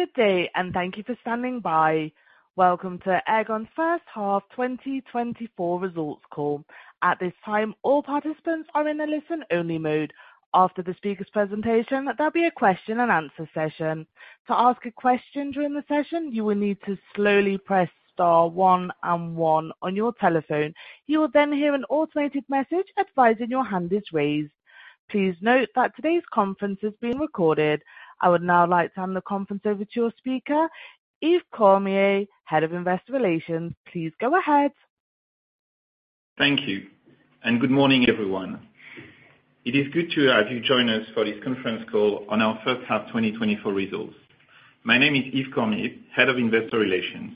Good day, and thank you for standing by. Welcome to Aegon's first half twenty twenty-four results call. At this time, all participants are in a listen-only mode. After the speaker's presentation, there'll be a question-and-answer session. To ask a question during the session, you will need to slowly press star one and one on your telephone. You will then hear an automated message advising your hand is raised. Please note that today's conference is being recorded. I would now like to hand the conference over to your speaker, Yves Cormier, Head of Investor Relations. Please go ahead. Thank you, and good morning, everyone. It is good to have you join us for this conference call on our first half 2024 results. My name is Yves Cormier, Head of Investor Relations.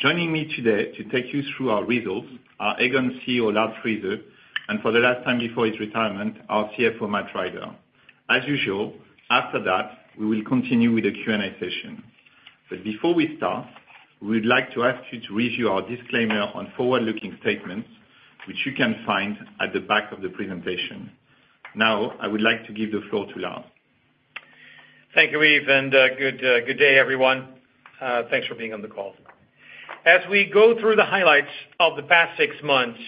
Joining me today to take you through our results are Aegon CEO, Lard Friese, and for the last time before his retirement, our CFO, Matt Rider. As usual, after that, we will continue with a Q&A session. But before we start, we'd like to ask you to read our disclaimer on forward-looking statements, which you can find at the back of the presentation. Now, I would like to give the floor to Lard. Thank you, Yves, and good day, everyone. Thanks for being on the call. As we go through the highlights of the past six months,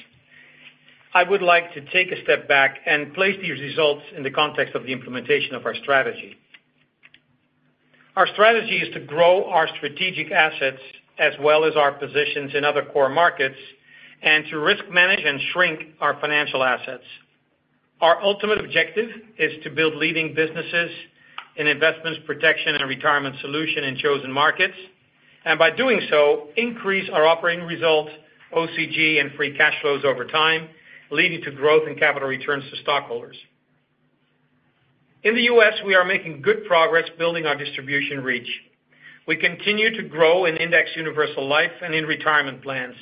I would like to take a step back and place these results in the context of the implementation of our strategy. Our strategy is to grow our strategic assets as well as our positions in other core markets and to risk manage and shrink our financial assets. Our ultimate objective is to build leading businesses in investments, protection, and retirement solution in chosen markets, and by doing so, increase our operating results, OCG, and free cash flows over time, leading to growth in capital returns to stockholders. In the US, we are making good progress building our distribution reach. We continue to grow in indexed Universal Life and in retirement plans.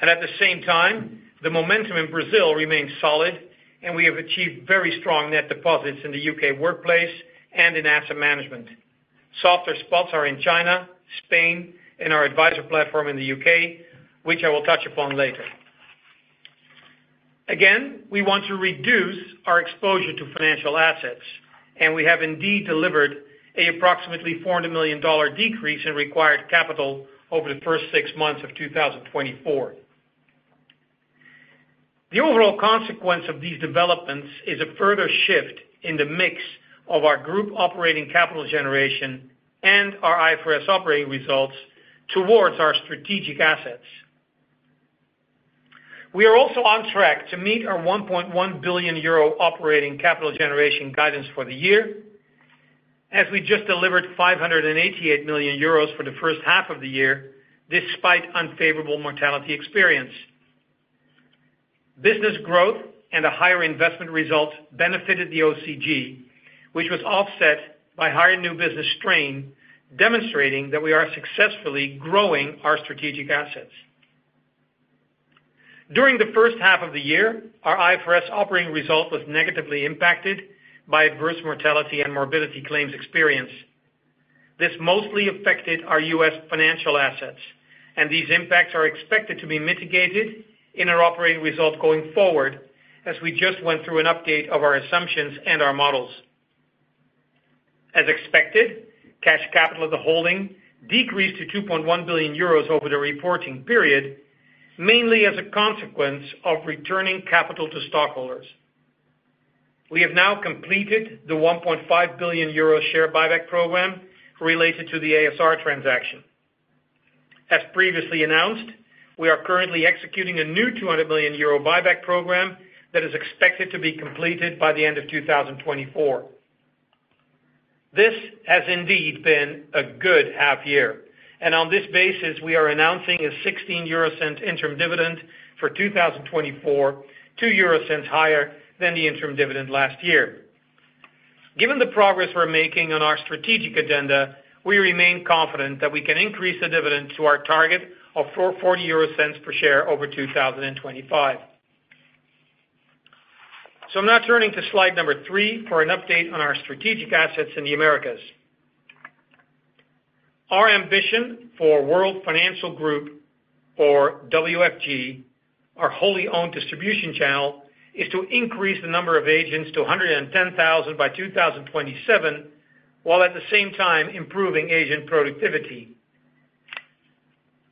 And at the same time, the momentum in Brazil remains solid, and we have achieved very strong net deposits in the U.K. Workplace and in asset management. Softer spots are in China, Spain, and our adviser platform in the UK, which I will touch upon later. Again, we want to reduce our exposure to financial assets, and we have indeed delivered approximately $400 million decrease in required capital over the first six months of 2024. The overall consequence of these developments is a further shift in the mix of our group operating capital generation and our IFRS operating results towards our strategic assets. We are also on track to meet our 1.1 billion euro operating capital generation guidance for the year, as we just delivered 588 million euros for the first half of the year, despite unfavorable mortality experience. Business growth and a higher investment result benefited the OCG, which was offset by higher new business strain, demonstrating that we are successfully growing our strategic assets. During the first half of the year, our IFRS operating result was negatively impacted by adverse mortality and morbidity claims experience. This mostly affected our US financial assets, and these impacts are expected to be mitigated in our operating results going forward, as we just went through an update of our assumptions and our models. As expected, cash capital of the holding decreased to 2.1 billion euros over the reporting period, mainly as a consequence of returning capital to stockholders. We have now completed the 1.5 billion euro share buyback program related to the ASR transaction. As previously announced, we are currently executing a new 200 million euro buyback program that is expected to be completed by the end of 2024. This has indeed been a good half year, and on this basis, we are announcing a 0.16 interim dividend for 2024, 0.02 higher than the interim dividend last year. Given the progress we're making on our strategic agenda, we remain confident that we can increase the dividend to our target of 0.40 per share over 2025. So I'm now turning to slide 3 for an update on our strategic assets in the Americas. Our ambition for World Financial Group, or WFG, our wholly owned distribution channel, is to increase the number of agents to 110,000 by 2027, while at the same time improving agent productivity.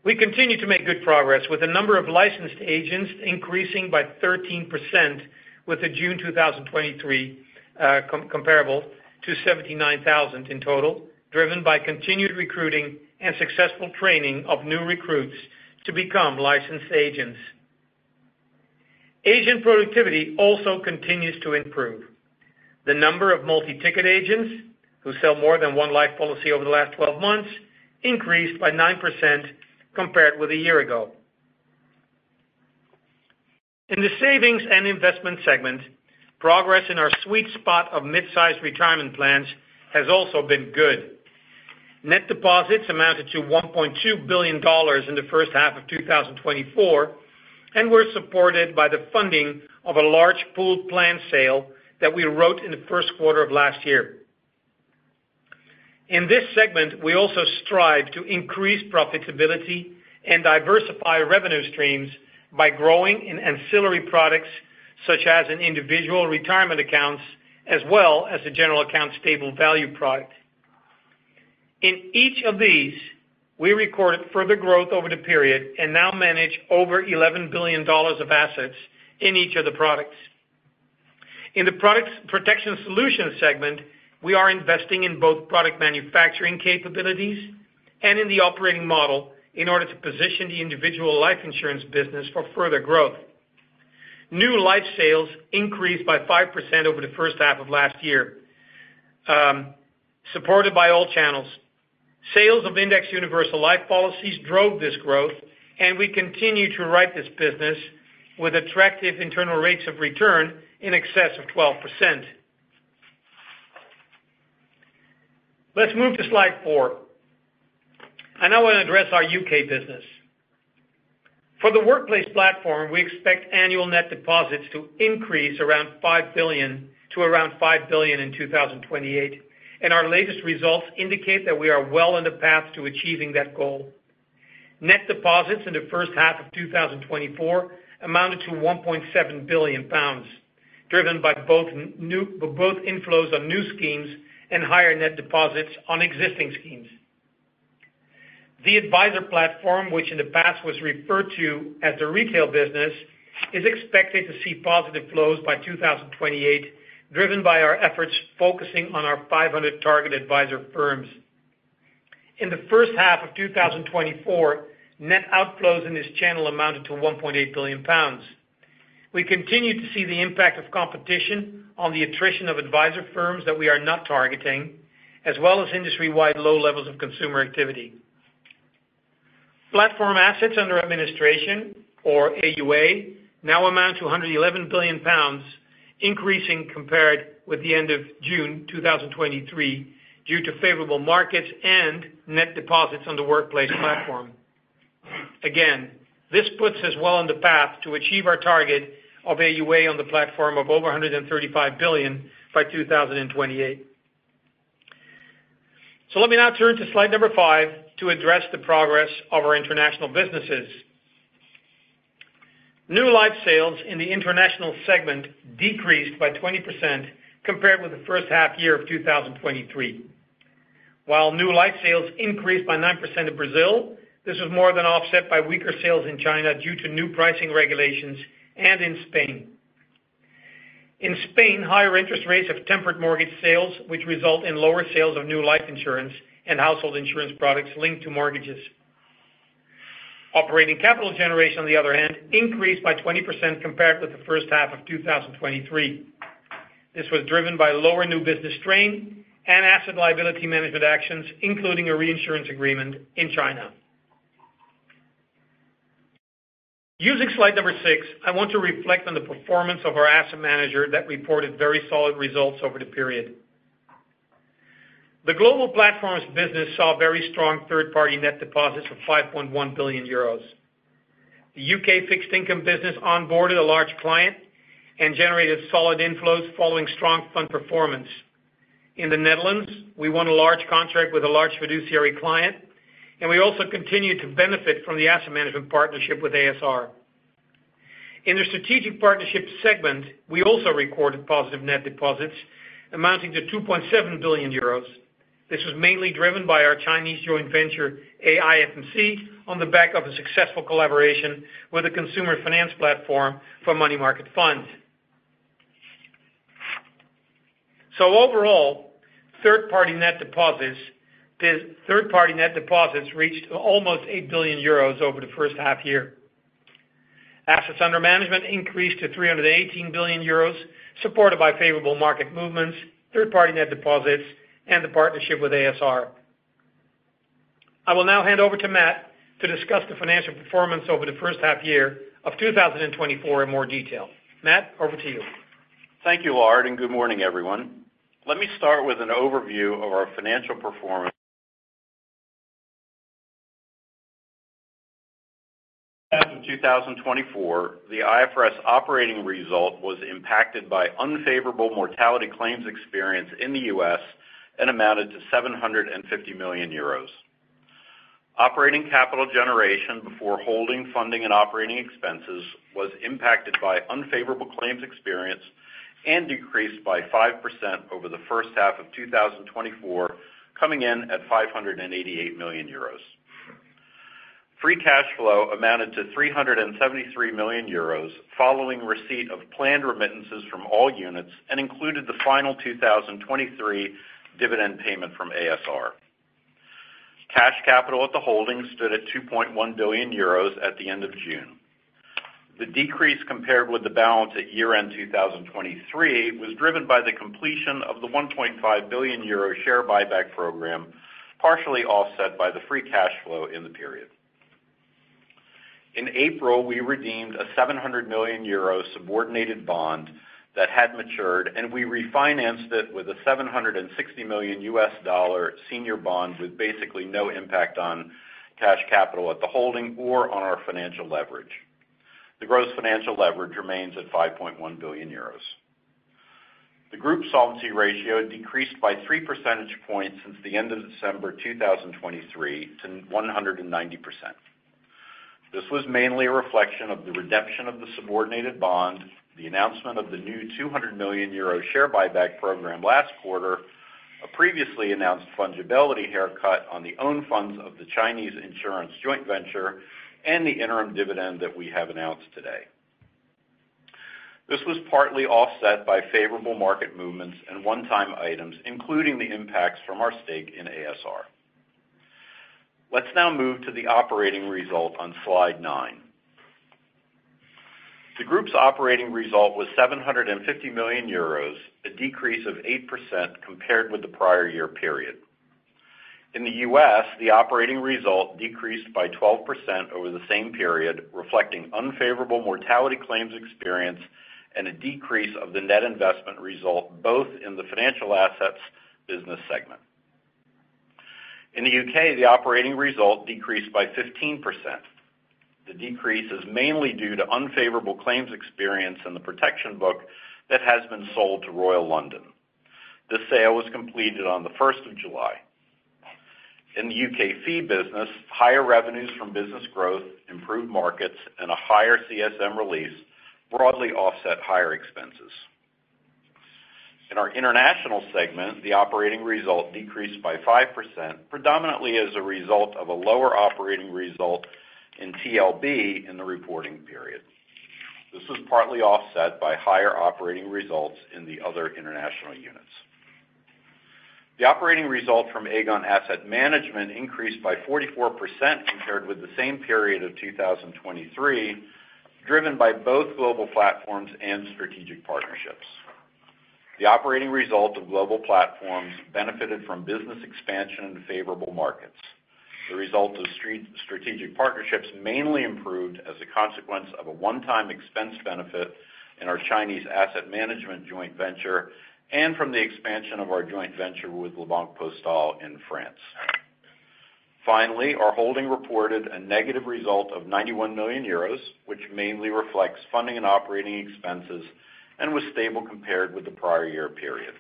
We continue to make good progress with the number of licensed agents increasing by 13% with the June 2023 comparable to 79,000 in total, driven by continued recruiting and successful training of new recruits to become licensed agents. Agent productivity also continues to improve. The number of multi-ticket agents who sell more than one life policy over the last 12 months increased by 9% compared with a year ago. In the Savings and Investments segment, progress in our sweet spot of mid-size retirement plans has also been good. Net deposits amounted to $1.2 billion in the first half of 2024 and were supported by the funding of a large pooled plan sale that we wrote in the first quarter of last year. In this segment, we also strive to increase profitability and diversify revenue streams by growing in ancillary products, such as in individual retirement accounts, as well as the general account stable value product. In each of these, we recorded further growth over the period and now manage over $11 billion of assets in each of the products. In the Protection Solutions segment, we are investing in both product manufacturing capabilities and in the operating model in order to position the individual life insurance business for further growth. New life sales increased by 5% over the first half of last year, supported by all channels. Sales of indexed universal life policies drove this growth, and we continue to write this business with attractive internal rates of return in excess of 12%. Let's move to slide four. I now want to address our UK business. For the Workplace Platform, we expect annual net deposits to increase around 5 billion, to around 5 billion in 2028, and our latest results indicate that we are well on the path to achieving that goal. Net deposits in the first half of 2024 amounted to 1.7 billion pounds, driven by both inflows on new schemes and higher net deposits on existing schemes. The advisor platform, which in the past was referred to as the retail business, is expected to see positive flows by 2028, driven by our efforts focusing on our 500 target advisor firms. In the first half of 2024, net outflows in this channel amounted to 1.8 billion pounds. We continue to see the impact of competition on the attrition of advisor firms that we are not targeting, as well as industry-wide low levels of consumer activity. Platform assets under administration, or AUA, now amount to 111 billion pounds, increasing compared with the end of June 2023, due to favorable markets and net deposits on the Workplace Platform. Again, this puts us well on the path to achieve our target of AUA on the platform of over 135 billion by 2028. So let me now turn to slide five to address the progress of our international businesses. New life sales in the International segment decreased by 20% compared with the first half of 2023. While new life sales increased by 9% in Brazil, this was more than offset by weaker sales in China due to new pricing regulations and in Spain. In Spain, higher interest rates have tempered mortgage sales, which result in lower sales of new life insurance and household insurance products linked to mortgages. Operating capital generation, on the other hand, increased by 20% compared with the first half of 2023. This was driven by lower new business strain and asset liability management actions, including a reinsurance agreement in China. Using slide number six, I want to reflect on the performance of our asset manager that reported very solid results over the period. The Global Platforms business saw very strong third-party net deposits of 5.1 billion euros. The U.K. fixed income business onboarded a large client and generated solid inflows following strong fund performance. In the Netherlands, we won a large contract with a large fiduciary client, and we also continued to benefit from the asset management partnership with ASR. In the Strategic Partnership segment, we also recorded positive net deposits amounting to 2.7 billion euros. This was mainly driven by our Chinese joint venture, AIFMC, on the back of a successful collaboration with a consumer finance platform for money market funds. Overall, third-party net deposits reached almost 8 billion euros over the first half year. Assets under management increased to 318 billion euros, supported by favorable market movements, third-party net deposits, and the partnership with ASR. I will now hand over to Matt to discuss the financial performance over the first half year of 2024 in more detail. Matt, over to you. Thank you, Lard, and good morning, everyone. Let me start with an overview of our financial performance. In 2024, the IFRS Operating Result was impacted by unfavorable mortality claims experience in the U.S. and amounted to 750 million euros. Operating Capital Generation before holding, funding, and operating expenses was impacted by unfavorable claims experience and decreased by 5% over the first half of 2024, coming in at 588 million euros. Free Cash Flow amounted to 373 million euros, following receipt of planned remittances from all units and included the final 2023 dividend payment from ASR. Cash capital at the holding stood at 2.1 billion euros at the end of June. The decrease compared with the balance at year-end 2023 was driven by the completion of the 1.5 billion euro share buyback program, partially offset by the free cash flow in the period. In April, we redeemed a 700 million euro subordinated bond that had matured, and we refinanced it with a $760 million senior bond with basically no impact on cash capital at the holding or on our financial leverage. The gross financial leverage remains at 5.1 billion euros. The group's solvency ratio decreased by three percentage points since the end of December 2023 to 190%. This was mainly a reflection of the redemption of the subordinated bond, the announcement of the new 200 million euro share buyback program last quarter, a previously announced fungibility haircut on the own funds of the Chinese insurance joint venture, and the interim dividend that we have announced today. This was partly offset by favorable market movements and one-time items, including the impacts from our stake in ASR. Let's now move to the operating result on slide nine. The Group's operating result was 750 million euros, a decrease of 8% compared with the prior year period. In the U.S., the operating result decreased by 12% over the same period, reflecting unfavorable mortality claims experience and a decrease of the net investment result, both in the Financial Assets business segment. In the U.K., the operating result decreased by 15%. The decrease is mainly due to unfavorable claims experience in the protection book that has been sold to Royal London. The sale was completed on the first of July. In the U.K. fee business, higher revenues from business growth, improved markets, and a higher CSM release broadly offset higher expenses. In our International segment, the operating result decreased by 5%, predominantly as a result of a lower operating result in TLB in the reporting period. This was partly offset by higher operating results in the other international units. The operating result from Aegon Asset Management increased by 44% compared with the same period of 2023, driven by both Global Platforms and Strategic Partnerships. The operating result of Global Platforms benefited from business expansion into favorable markets. The result of Strategic Partnerships mainly improved as a consequence of a one-time expense benefit in our Chinese asset management joint venture, and from the expansion of our joint venture with La Banque Postale in France. Finally, our holding reported a negative result of 91 million euros, which mainly reflects funding and operating expenses, and was stable compared with the prior year period.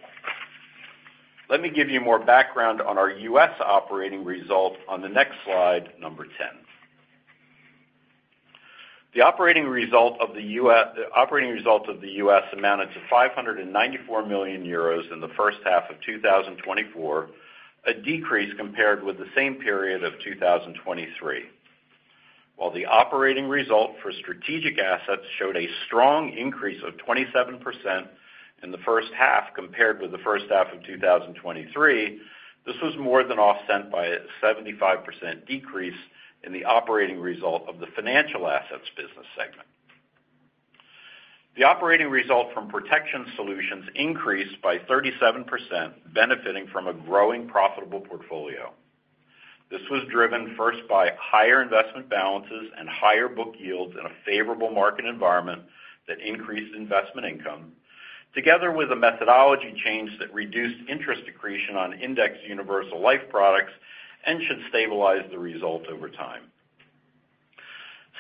Let me give you more background on our U.S. operating result on the next slide, number ten. The operating result of the U.S. amounted to 594 million euros in the first half of 2024, a decrease compared with the same period of 2023. While the operating result for Strategic Assets showed a strong increase of 27% in the first half compared with the first half of 2023, this was more than offset by a 75% decrease in the operating result of the Financial Assets business segment. The operating result from Protection Solutions increased by 37%, benefiting from a growing profitable portfolio. This was driven first by higher investment balances and higher book yields in a favorable market environment that increased investment income, together with a methodology change that reduced interest accretion on indexed Universal Life products and should stabilize the result over time.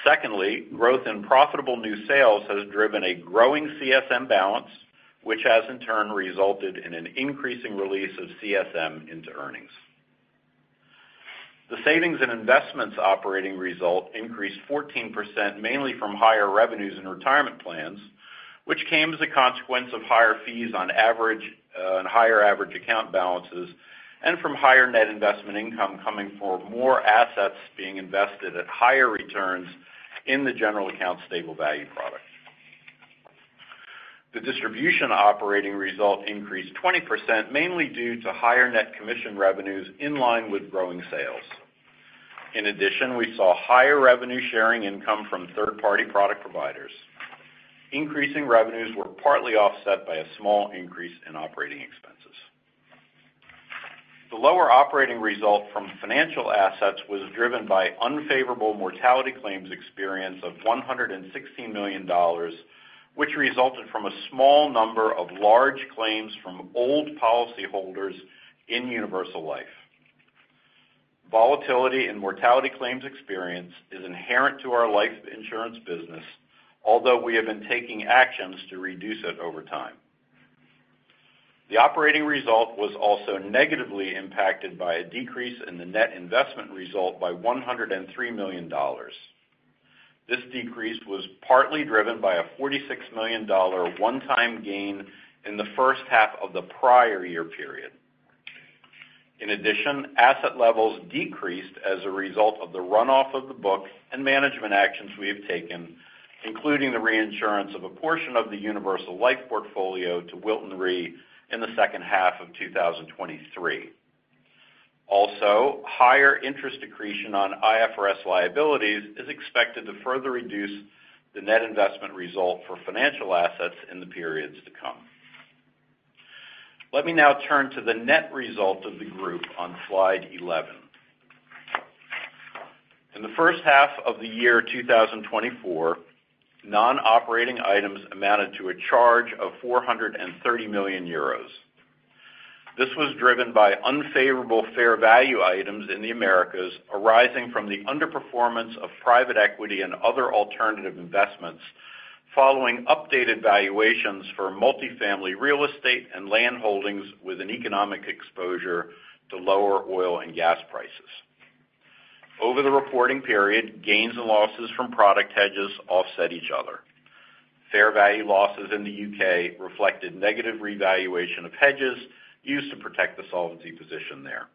Secondly, growth in profitable new sales has driven a growing CSM balance, which has, in turn, resulted in an increasing release of CSM into earnings. The Savings and Investments operating result increased 14%, mainly from higher revenues in retirement plans, which came as a consequence of higher fees on average, and higher average account balances, and from higher net investment income coming for more assets being invested at higher returns in the general account stable value product. The distribution operating result increased 20%, mainly due to higher net commission revenues in line with growing sales. In addition, we saw higher revenue sharing income from third-party product providers. Increasing revenues were partly offset by a small increase in operating expenses. The lower operating result from Financial Assets was driven by unfavorable mortality claims experience of $116 million, which resulted from a small number of large claims from old policyholders in Universal Life. Volatility and mortality claims experience is inherent to our life insurance business, although we have been taking actions to reduce it over time. The operating result was also negatively impacted by a decrease in the net investment result by $103 million. This decrease was partly driven by a $46 million one-time gain in the first half of the prior year period. In addition, asset levels decreased as a result of the runoff of the book and management actions we have taken, including the reinsurance of a portion of the Universal Life portfolio to Wilton Re in the second half of 2023. Also, higher interest accretion on IFRS liabilities is expected to further reduce the net investment result for financial assets in the periods to come. Let me now turn to the net result of the group on slide 11. In the first half of 2024, non-operating items amounted to a charge of 430 million euros. This was driven by unfavorable fair value items in the Americas, arising from the underperformance of private equity and other alternative investments, following updated valuations for multifamily real estate and land holdings with an economic exposure to lower oil and gas prices. Over the reporting period, gains and losses from product hedges offset each other. Fair value losses in the U.K. reflected negative revaluation of hedges used to protect the solvency position there.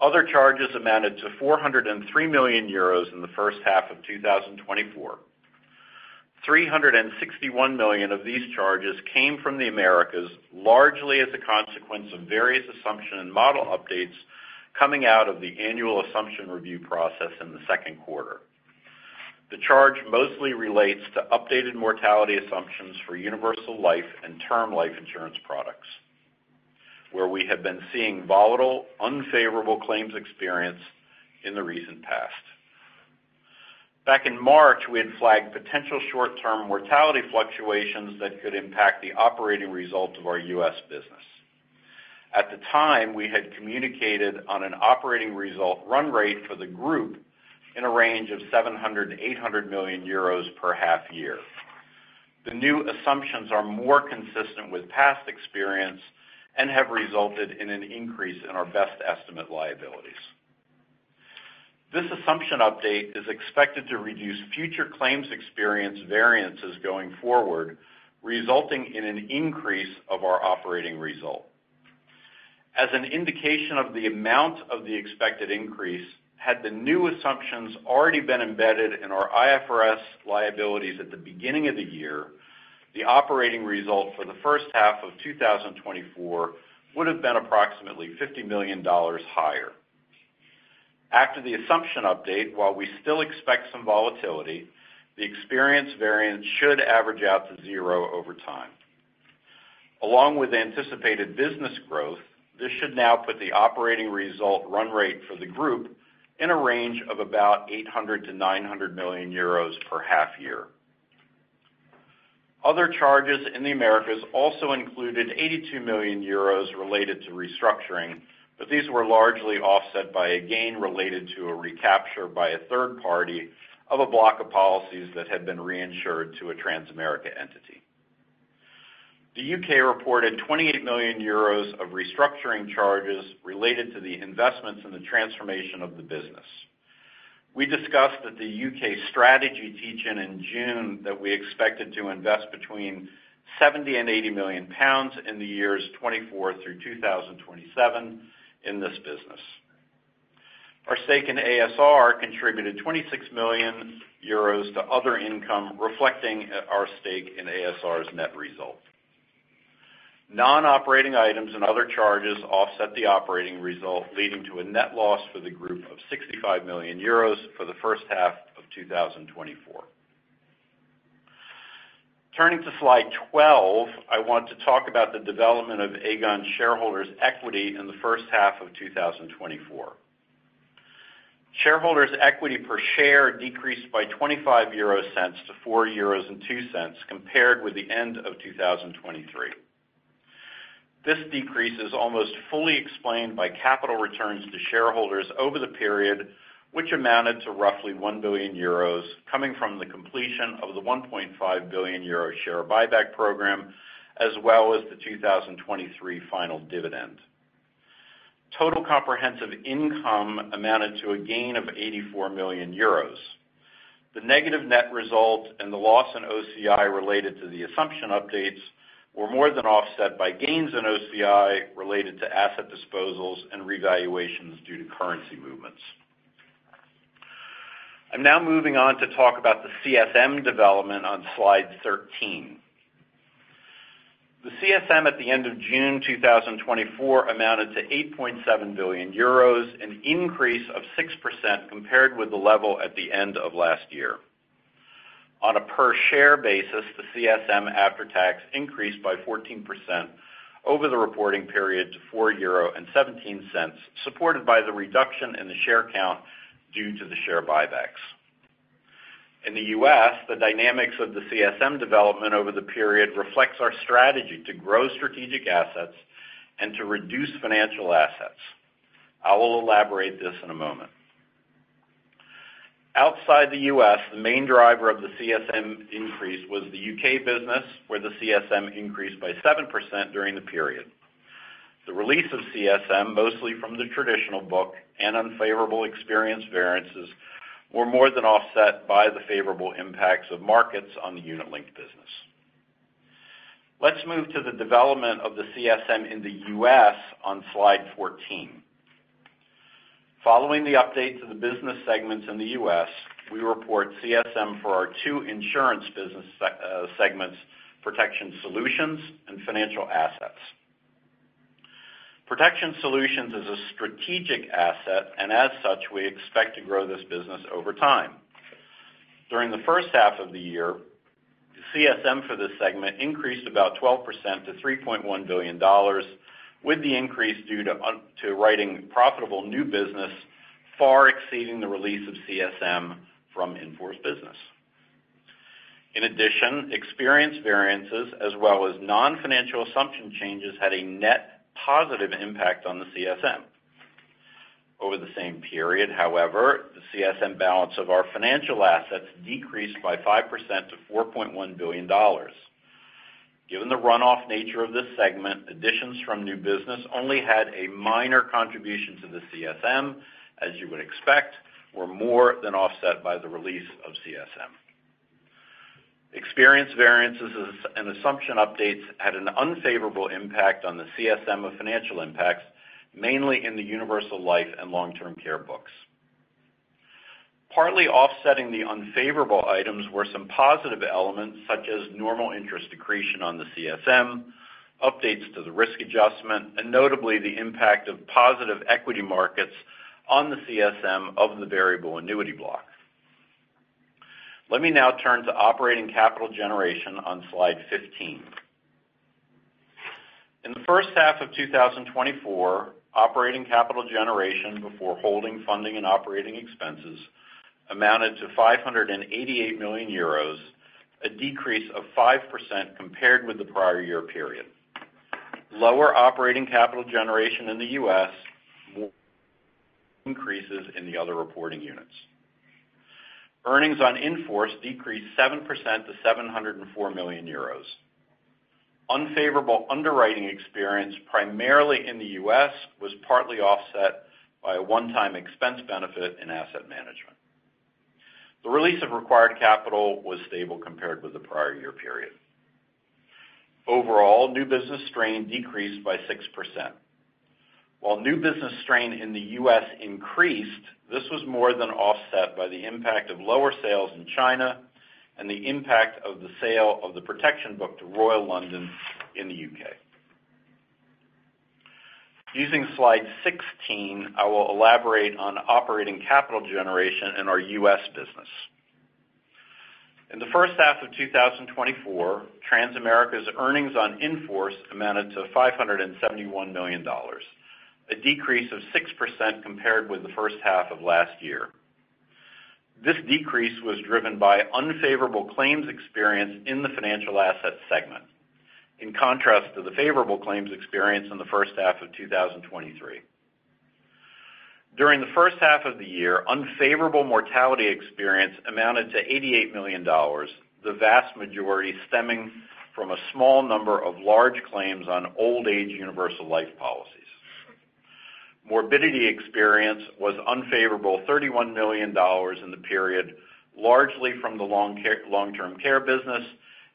Other charges amounted to 403 million euros in the first half of 2024. Three hundred and sixty-one million of these charges came from the Americas, largely as a consequence of various assumption and model updates coming out of the annual assumption review process in the second quarter. The charge mostly relates to updated mortality assumptions for Universal Life and term life insurance products, where we have been seeing volatile, unfavorable claims experience in the recent past. Back in March, we had flagged potential short-term mortality fluctuations that could impact the operating results of our U.S. business. At the time, we had communicated on an operating result run rate for the group in a range of 700 million euros to 800 million euros per half year. The new assumptions are more consistent with past experience and have resulted in an increase in our best estimate liabilities. This assumption update is expected to reduce future claims experience variances going forward, resulting in an increase of our operating result. As an indication of the amount of the expected increase, had the new assumptions already been embedded in our IFRS liabilities at the beginning of the year, the operating result for the first half of 2024 would have been approximately $50 million higher. After the assumption update, while we still expect some volatility, the experience variance should average out to zero over time. Along with anticipated business growth, this should now put the operating result run rate for the group in a range of about 800 million-900 million euros per half year. Other charges in the Americas also included 82 million euros related to restructuring, but these were largely offset by a gain related to a recapture by a third party of a block of policies that had been reinsured to a Transamerica entity. The U.K. reported 28 million euros of restructuring charges related to the investments in the transformation of the business. We discussed at the U.K. strategy teach-in in June that we expected to invest between 70 million and 80 million pounds in the years 2024 through 2027 in this business. Our stake in ASR contributed 26 million euros to other income, reflecting our stake in ASR's net result. Non-operating items and other charges offset the operating result, leading to a net loss for the group of 65 million euros for the first half of 2024. Turning to slide 12, I want to talk about the development of Aegon shareholders' equity in the first half of 2024. Shareholders' equity per share decreased by 0.25 to 4.02 euros, compared with the end of 2023. This decrease is almost fully explained by capital returns to shareholders over the period, which amounted to roughly 1 billion euros, coming from the completion of the 1.5 billion euro share buyback program, as well as the 2023 final dividend. Total comprehensive income amounted to a gain of 84 million euros. The negative net result and the loss in OCI related to the assumption updates were more than offset by gains in OCI related to asset disposals and revaluations due to currency movements. I'm now moving on to talk about the CSM development on Slide 13. The CSM at the end of June 2024 amounted to 8.7 billion euros, an increase of 6% compared with the level at the end of last year. On a per share basis, the CSM after tax increased by 14% over the reporting period to 4.17 euro, supported by the reduction in the share count due to the share buybacks. In the US, the dynamics of the CSM development over the period reflects our strategy to grow strategic assets and to reduce financial assets. I will elaborate this in a moment. Outside the US, the main driver of the CSM increase was the UK business, where the CSM increased by 7% during the period. The release of CSM, mostly from the traditional book and unfavorable experience variances, were more than offset by the favorable impacts of markets on the unit link business. Let's move to the development of the CSM in the U.S. on slide 14. Following the update to the business segments in the US, we report CSM for our two Insurance business segments, Protection Solutions and Financial Assets. Protection Solutions is a strategic asset, and as such, we expect to grow this business over time. During the first half of the year, CSM for this segment increased about 12% to $3.1 billion, with the increase due to writing profitable new business far exceeding the release of CSM from in-force business. In addition, experience variances as well as non-financial assumption changes had a net positive impact on the CSM. Over the same period, however, the CSM balance of our financial assets decreased by 5% to $4.1 billion. Given the runoff nature of this segment, additions from new business only had a minor contribution to the CSM, as you would expect, were more than offset by the release of CSM. Experience variances, and assumption updates had an unfavorable impact on the CSM from financial impacts, mainly in the Universal Life and Long-Term Care books. Partly offsetting the unfavorable items were some positive elements, such as normal interest accretion on the CSM, updates to the risk adjustment, and notably, the impact of positive equity markets on the CSM of the Variable Annuity blocks. Let me now turn to operating capital generation on slide 15. In the first half of 2024, operating capital generation before holding, funding, and operating expenses amounted to 588 million euros, a 5% decrease compared with the prior year period. Lower operating capital generation in the U.S., increases in the other reporting units. Earnings on in-force decreased 7% to 704 million euros. Unfavorable underwriting experience, primarily in the U.S., was partly offset by a one-time expense benefit in asset management. The release of required capital was stable compared with the prior year period. Overall, new business strain decreased by 6%. While new business strain in the U.S. increased, this was more than offset by the impact of lower sales in China and the impact of the sale of the protection book to Royal London in the U.K. Using slide 16, I will elaborate on operating capital generation in our U.S. business. In the first half of 2024, Transamerica's earnings on in-force amounted to $571 million, a decrease of 6% compared with the first half of last year. This decrease was driven by unfavorable claims experience in the Financial Assets segment, in contrast to the favorable claims experience in the first half of 2023. During the first half of the year, unfavorable mortality experience amounted to $88 million, the vast majority stemming from a small number of large claims on old-age Universal Life policies. Morbidity experience was unfavorable, $31 million in the period, largely from the Long-Term Care business,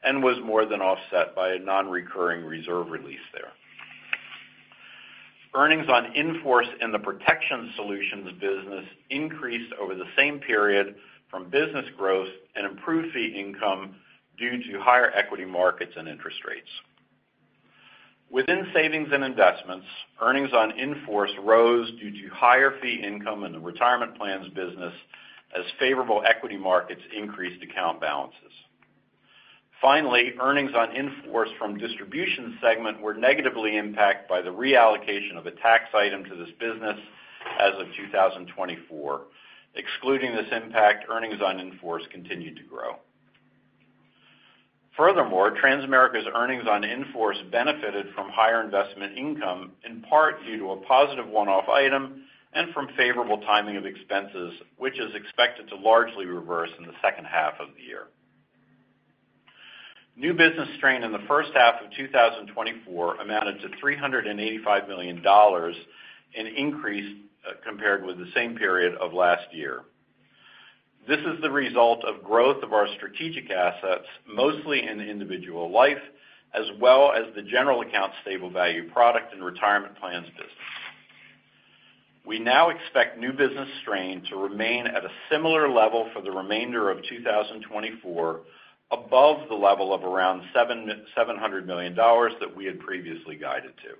and was more than offset by a non-recurring reserve release there. Earnings on In-Force in the Protection Solutions business increased over the same period from business growth and improved fee income due to higher equity markets and interest rates. Within savings & investments, Earnings on In-Force rose due to higher fee income in the retirement plan business as favorable equity markets increased account balances. Finally, earnings on in-force from Distribution segment were negatively impacted by the reallocation of a tax item to this business as of 2024. Excluding this impact, earnings on in-force continued to grow. Furthermore, Transamerica's earnings on in-force benefited from higher investment income, in part due to a positive one-off item and from favorable timing of expenses, which is expected to largely reverse in the second half of the year. New business strain in the first half of 2024 amounted to $385 million, an increase compared with the same period of last year. This is the result of growth of our strategic assets, mostly in the individual life, as well as the general account stable value product and retirement plans business. We now expect new business strain to remain at a similar level for the remainder of 2024, above the level of around $700 million that we had previously guided to.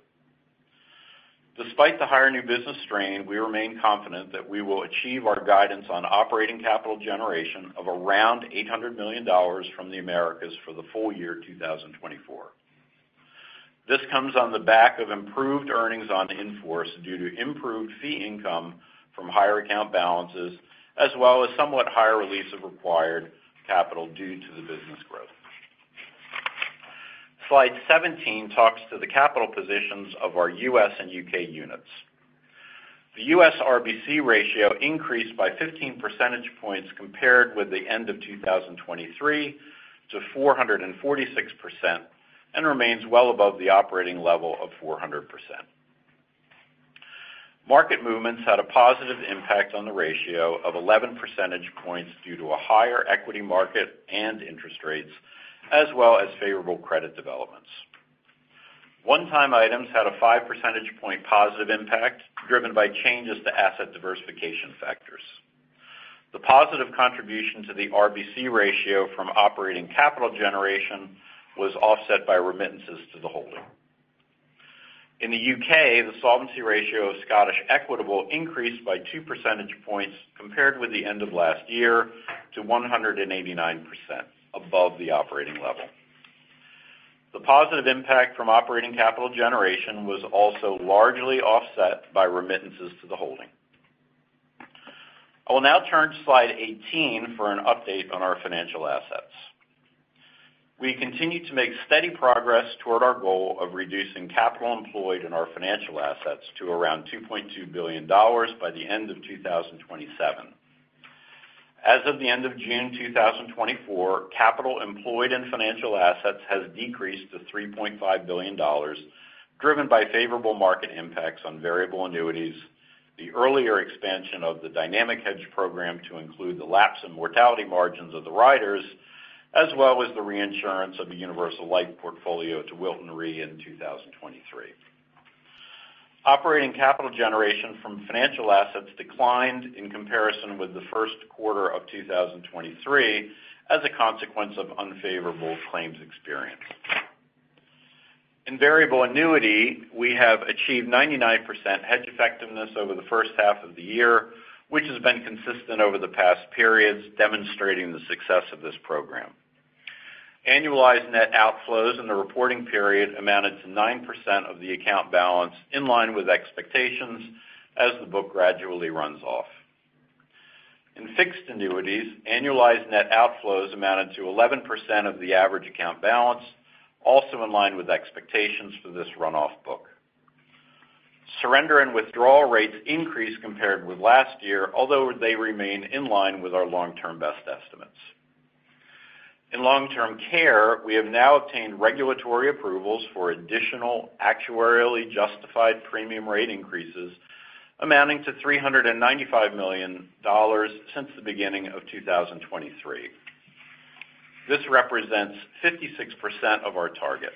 Despite the higher new business strain, we remain confident that we will achieve our guidance on operating capital generation of around $800 million from the Americas for the full year 2024. This comes on the back of improved earnings on in-force due to improved fee income from higher account balances, as well as somewhat higher release of required capital due to the business growth. Slide 17 talks to the capital positions of our U.S. and U.K. units. The U.S. RBC ratio increased by 15 percentage points compared with the end of 2023 to 446%, and remains well above the operating level of 400%. Market movements had a positive impact on the ratio of 11 percentage points due to a higher equity market and interest rates, as well as favorable credit developments. One-time items had a 5 percentage point positive impact, driven by changes to asset diversification factors. The positive contribution to the RBC ratio from operating capital generation was offset by remittances to the holding. In the U.K., the solvency ratio of Scottish Equitable increased by 2 percentage points compared with the end of last year to 189% above the operating level. The positive impact from operating capital generation was also largely offset by remittances to the holding. I will now turn to slide 18 for an update on our financial assets. We continue to make steady progress toward our goal of reducing capital employed in our financial assets to around $2.2 billion by the end of 2027. As of the end of June 2024, capital employed in financial assets has decreased to $3.5 billion, driven by favorable market impacts on Variable Annuities, the earlier expansion of the dynamic hedge program to include the lapse in mortality margins of the riders, as well as the reinsurance of the Universal Life portfolio to Wilton Re in 2023. Operating capital generation from financial assets declined in comparison with the first quarter of 2023 as a consequence of unfavorable claims experience. In Variable Annuity, we have achieved 99% hedge effectiveness over the first half of the year, which has been consistent over the past periods, demonstrating the success of this program. Annualized net outflows in the reporting period amounted to 9% of the account balance, in line with expectations as the book gradually runs off. In Fixed Annuities, annualized net outflows amounted to 11% of the average account balance, also in line with expectations for this runoff book. Surrender and withdrawal rates increased compared with last year, although they remain in line with our long-term best estimates. In Long-Term Care, we have now obtained regulatory approvals for additional actuarially justified premium rate increases amounting to $395 million since the beginning of 2023. This represents 56% of our target.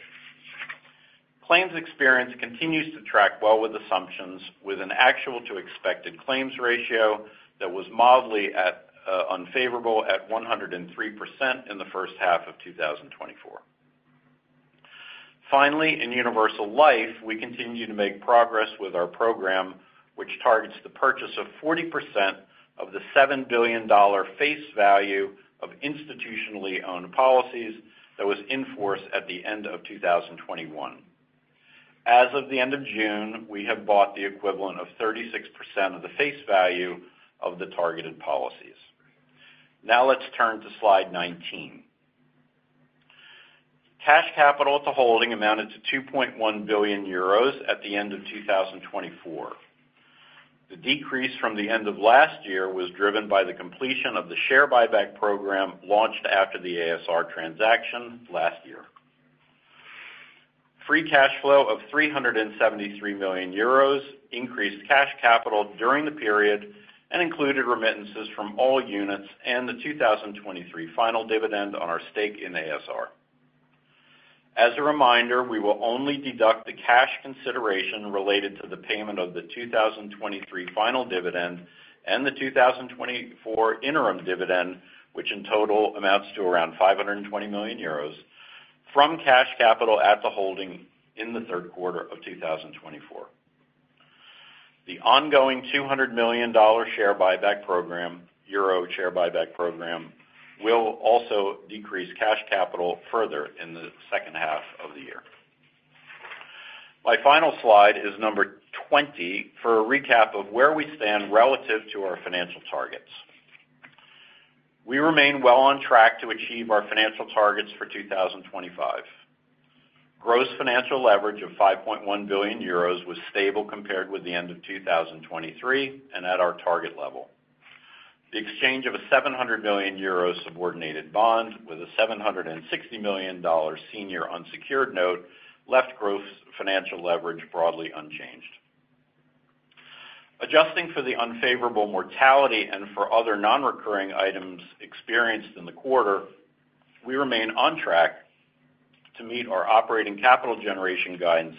Claims experience continues to track well with assumptions, with an actual to expected claims ratio that was mildly at unfavorable at 103% in the first half of 2024. Finally, in Universal Life, we continue to make progress with our program, which targets the purchase of 40% of the $7 billion face value of institutionally owned policies that was in force at the end of 2021. As of the end of June, we have bought the equivalent of 36% of the face value of the targeted policies. Now let's turn to slide 19. Cash capital to holding amounted to 2.1 billion euros at the end of 2024. The decrease from the end of last year was driven by the completion of the share buyback program, launched after the ASR transaction last year. Free cash flow of 373 million euros increased cash capital during the period and included remittances from all units and the 2023 final dividend on our stake in ASR. As a reminder, we will only deduct the cash consideration related to the payment of the 2023 final dividend and the 2024 interim dividend, which in total amounts to around 520 million euros from cash capital at the holding in the third quarter of 2024. The ongoing $200 million share buyback program, euro share buyback program, will also decrease cash capital further in the second half of the year. My final slide is number 20 for a recap of where we stand relative to our financial targets. We remain well on track to achieve our financial targets for 2025. Gross financial leverage of 5.1 billion euros was stable compared with the end of 2023 and at our target level. The exchange of a 700 million euro subordinated bond with a $760 million dollar senior unsecured note left gross financial leverage broadly unchanged. Adjusting for the unfavorable mortality and for other non-recurring items experienced in the quarter, we remain on track to meet our operating capital generation guidance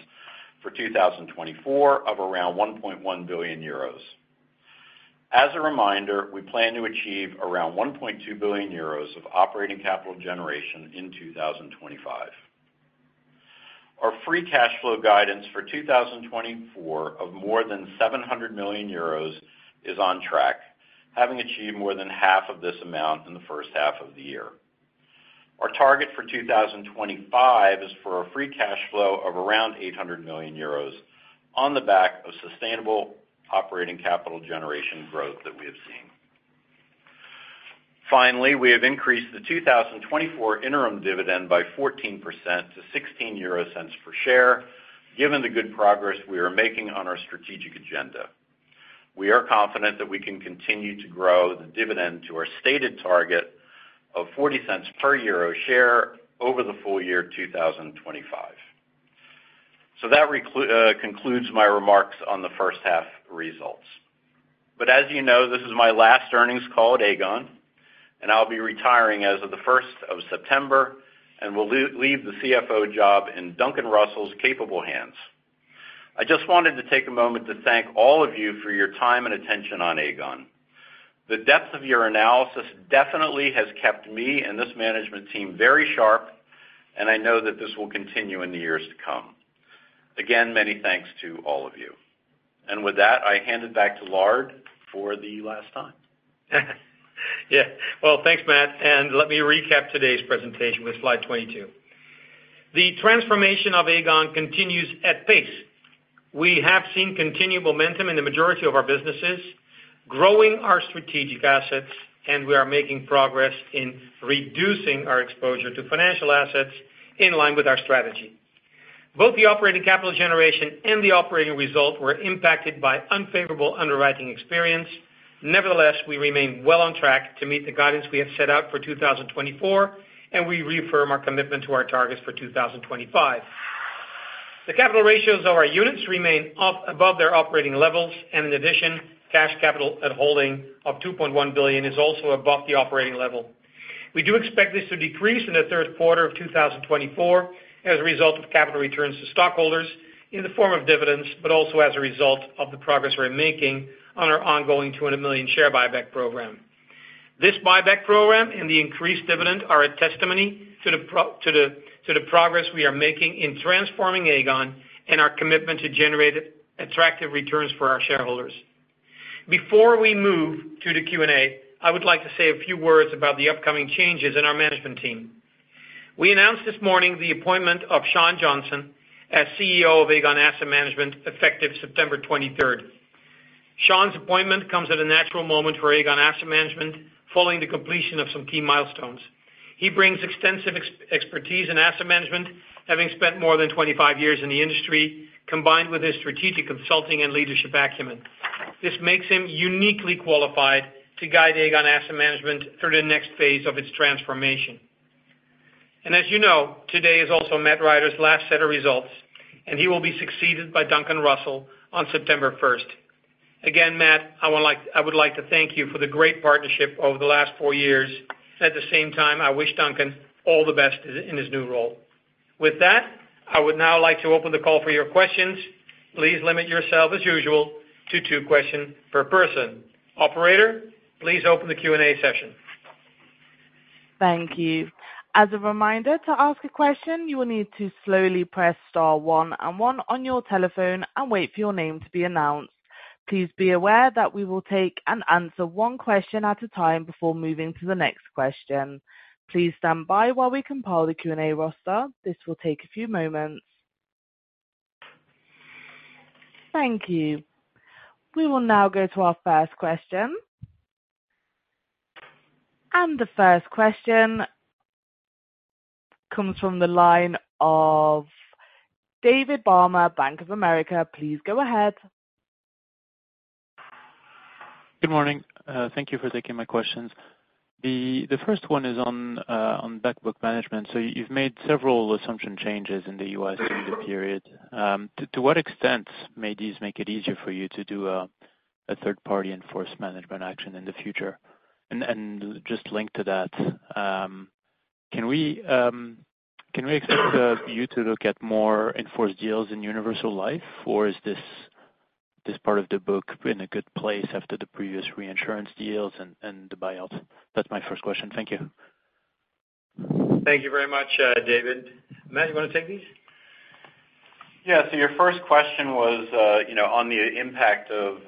for 2024 of around 1.1 billion euros. As a reminder, we plan to achieve around 1.2 billion euros of operating capital generation in 2025. Our free cash flow guidance for 2024 of more than 700 million euros is on track, having achieved more than half of this amount in the first half of the year. Our target for 2025 is for a free cash flow of around 800 million euros on the back of sustainable operating capital generation growth that we have seen. Finally, we have increased the 2024 interim dividend by 14% to 0.16 per share, given the good progress we are making on our strategic agenda. We are confident that we can continue to grow the dividend to our stated target of 0.40 per share over the full year 2025. So that concludes my remarks on the first half results. But as you know, this is my last earnings call at Aegon, and I'll be retiring as of the first of September and will leave the CFO job in Duncan Russell's capable hands. I just wanted to take a moment to thank all of you for your time and attention on Aegon. The depth of your analysis definitely has kept me and this management team very sharp, and I know that this will continue in the years to come. Again, many thanks to all of you. And with that, I hand it back to Lard for the last time. Yeah. Well, thanks, Matt, and let me recap today's presentation with slide 22. The transformation of Aegon continues at pace. We have seen continued momentum in the majority of our businesses, growing our Strategic Assets, and we are making progress in reducing our exposure to Financial Assets in line with our strategy. Both the operating capital generation and the operating result were impacted by unfavorable underwriting experience. Nevertheless, we remain well on track to meet the guidance we have set out for 2024, and we reaffirm our commitment to our targets for 2025. The capital ratios of our units remain up above their operating levels, and in addition, cash capital at holding of 2.1 billion is also above the operating level. We do expect this to decrease in the third quarter of 2024 as a result of capital returns to stockholders in the form of dividends, but also as a result of the progress we're making on our ongoing 200 million share buyback program. This buyback program and the increased dividend are a testimony to the progress we are making in transforming Aegon and our commitment to generate attractive returns for our shareholders. Before we move to the Q&A, I would like to say a few words about the upcoming changes in our management team. We announced this morning the appointment of Shawn Johnson as CEO of Aegon Asset Management, effective September 23. Shawn's appointment comes at a natural moment for Aegon Asset Management, following the completion of some key milestones. He brings extensive expertise in asset management, having spent more than 25 years in the industry, combined with his strategic consulting and leadership acumen. This makes him uniquely qualified to guide Aegon Asset Management through the next phase of its transformation. As you know, today is also Matt Rider's last set of results, and he will be succeeded by Duncan Russell on September first. Again, Matt, I would like to thank you for the great partnership over the last four years. At the same time, I wish Duncan all the best in his new role. With that, I would now like to open the call for your questions. Please limit yourself, as usual, to two questions per person. Operator, please open the Q&A session. Thank you. As a reminder, to ask a question, you will need to slowly press star one and one on your telephone and wait for your name to be announced. Please be aware that we will take and answer one question at a time before moving to the next question. Please stand by while we compile the Q&A roster. This will take a few moments. Thank you. We will now go to our first question. The first question comes from the line of David Barma, Bank of America. Please go ahead. Good morning. Thank you for taking my questions. The first one is on back book management. So you've made several assumption changes in the U.S. period. To what extent may these make it easier for you to do a third-party enforced management action in the future? And just linked to that, can we expect you to look at more enforced deals in Universal Life, or is this part of the book in a good place after the previous reinsurance deals and the buyouts? That's my first question. Thank you. Thank you very much, David. Matt, you wanna take these? Yeah. So your first question was, you know, on the impact of,